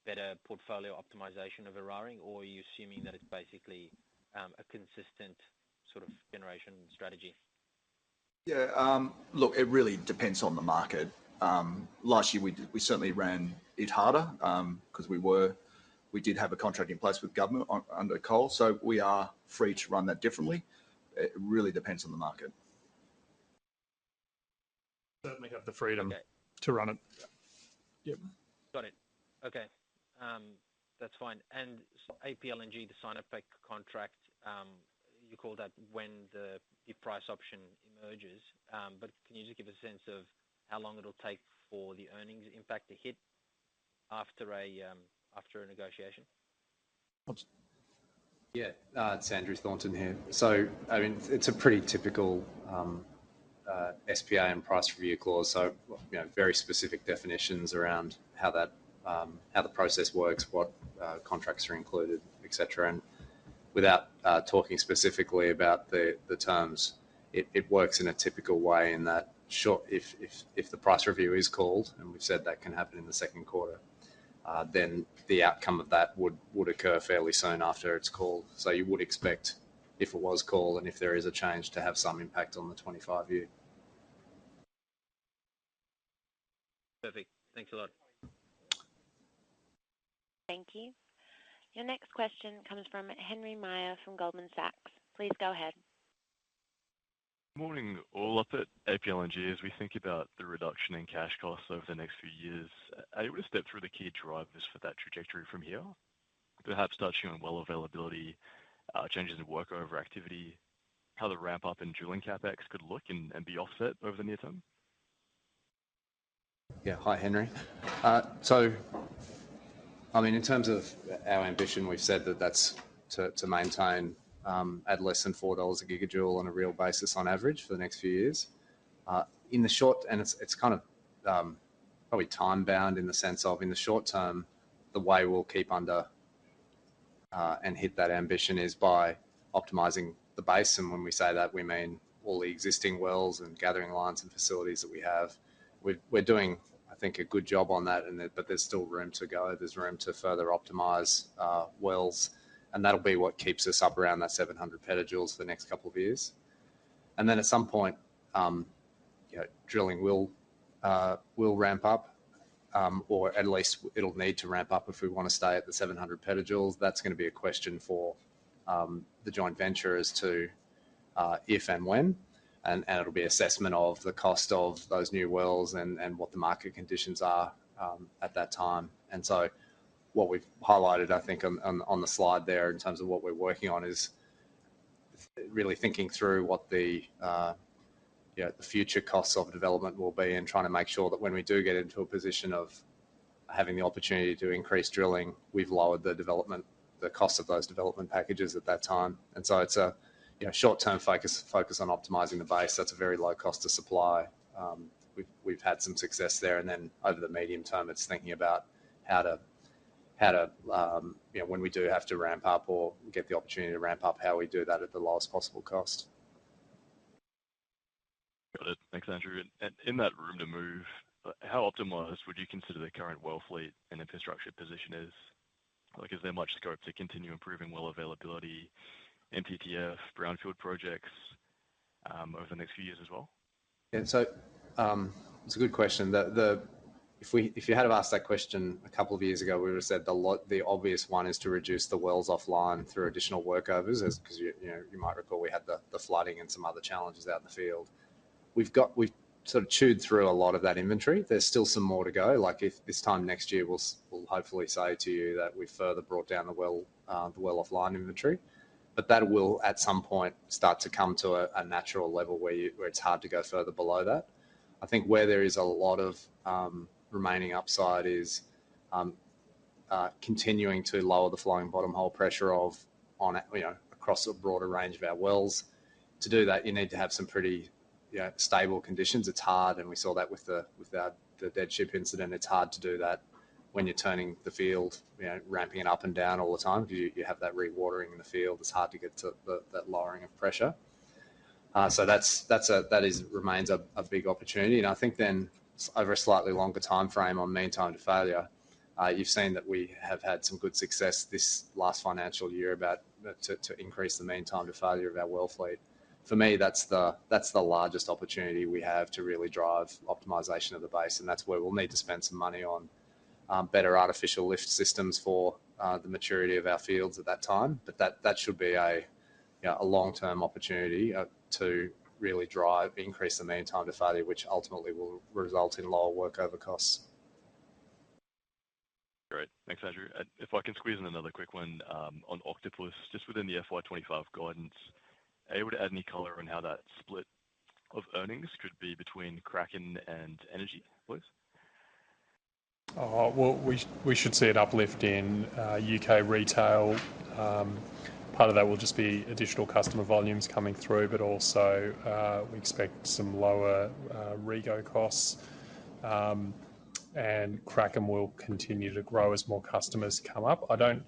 better portfolio optimization of Eraring, or are you assuming that it's basically a consistent sort of generation strategy? Yeah, look, it really depends on the market. Last year, we certainly ran it harder, 'cause we were - we did have a contract in place with government on under coal, so we are free to run that differently. It really depends on the market... certainly have the freedom- Okay. to run it. Yep. Got it. Okay, that's fine. And so APLNG, the sign-up pack contract, you call that when the price option emerges. But can you just give a sense of how long it'll take for the earnings impact to hit after a negotiation? Oops. Yeah. It's Andrew Thornton here. So I mean, it's a pretty typical SPA and price review clause. So, you know, very specific definitions around how that, how the process works, what contracts are included, et cetera. And without talking specifically about the, the terms, it works in a typical way in that, sure, if the price review is called, and we've said that can happen in the second quarter, then the outcome of that would occur fairly soon after it's called. So you would expect if it was called and if there is a change to have some impact on the 25 view. Perfect. Thanks a lot. Thank you. Your next question comes from Henry Meyer from Goldman Sachs. Please go ahead. Morning, all up at APLNG. As we think about the reduction in cash costs over the next few years, are you able to step through the key drivers for that trajectory from here? Perhaps touching on well availability, changes in work over activity, how the ramp up in drilling CapEx could look and be offset over the near term. Yeah. Hi, Henry. So I mean, in terms of our ambition, we've said that that's to maintain at less than 4 dollars a gigajoule on a real basis, on average, for the next few years. In the short term, and it's kind of probably time-bound in the sense of in the short term, the way we'll keep under and hit that ambition is by optimizing the base. And when we say that, we mean all the existing wells and gathering lines and facilities that we have. We're doing, I think, a good job on that, and then but there's still room to go. There's room to further optimize wells, and that'll be what keeps us up around that 700 petajoules for the next couple of years. And then at some point, you know, drilling will, will ramp up, or at least it'll need to ramp up if we want to stay at the 700 petajoules. That's going to be a question for, the joint venture as to, if and when, and, and it'll be assessment of the cost of those new wells and, and what the market conditions are, at that time. And so what we've highlighted, I think, on, on, on the slide there in terms of what we're working on, is really thinking through what the, you know, the future costs of development will be and trying to make sure that when we do get into a position of having the opportunity to increase drilling, we've lowered the development, the cost of those development packages at that time. It's a, you know, short-term focus on optimizing the base. That's a very low cost to supply. We've had some success there, and then over the medium term, it's thinking about how to, you know, when we do have to ramp up or get the opportunity to ramp up, how we do that at the lowest possible cost. Got it. Thanks, Andrew. And in that room to move, how optimized would you consider the current well fleet and infrastructure position is? Like, is there much scope to continue improving well availability, MTTF, brownfield projects, over the next few years as well? Yeah. So, it's a good question. If we, if you had asked that question a couple of years ago, we would have said the obvious one is to reduce the wells offline through additional workovers, because you know, you might recall we had the flooding and some other challenges out in the field. We've sort of chewed through a lot of that inventory. There's still some more to go, like if this time next year, we'll hopefully say to you that we further brought down the well offline inventory, but that will at some point start to come to a natural level where it's hard to go further below that. I think where there is a lot of remaining upside is continuing to lower the flowing bottom hole pressure of on a, you know, across a broader range of our wells. To do that, you need to have some pretty, you know, stable conditions. It's hard, and we saw that with the, with the, the dead ship incident. It's hard to do that when you're turning the field, you know, ramping it up and down all the time. You, you have that rewatering in the field. It's hard to get to the, that lowering of pressure. So that's, that's a, that is—remains a, a big opportunity. I think then over a slightly longer timeframe on mean time to failure, you've seen that we have had some good success this last financial year to increase the mean time to failure of our well fleet. For me, that's the largest opportunity we have to really drive optimization of the base, and that's where we'll need to spend some money on better artificial lift systems for the maturity of our fields at that time. But that should be a, you know, a long-term opportunity to really drive, increase the mean time to failure, which ultimately will result in lower workover costs. Great. Thanks, Andrew. And if I can squeeze in another quick one, on Octopus, just within the FY 25 guidance, are you able to add any color on how that split of earnings could be between Kraken and Energy please? Well, we should see an uplift in UK retail. Part of that will just be additional customer volumes coming through, but also, we expect some lower REGO costs. And Kraken will continue to grow as more customers come up. I don't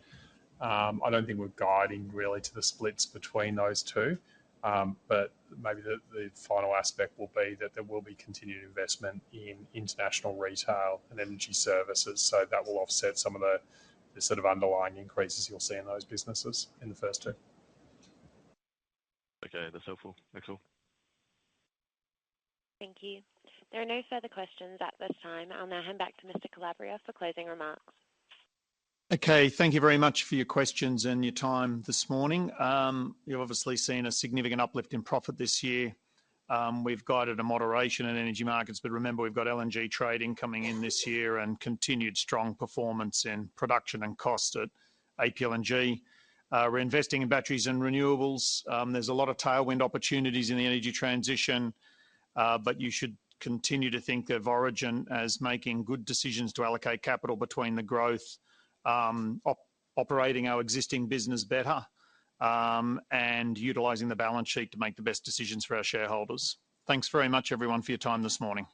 think we're guiding really to the splits between those two. But maybe the final aspect will be that there will be continued investment in international retail and energy services, so that will offset some of the sort of underlying increases you'll see in those businesses in the first two. Okay, that's helpful. Thanks, all. Thank you. There are no further questions at this time. I'll now hand back to Mr. Calabria for closing remarks. Okay, thank you very much for your questions and your time this morning. You've obviously seen a significant uplift in profit this year. We've guided a moderation in energy markets, but remember, we've got LNG trading coming in this year and continued strong performance in production and cost at APLNG. We're investing in batteries and renewables. There's a lot of tailwind opportunities in the energy transition, but you should continue to think of Origin as making good decisions to allocate capital between the growth, operating our existing business better, and utilizing the balance sheet to make the best decisions for our shareholders. Thanks very much, everyone, for your time this morning.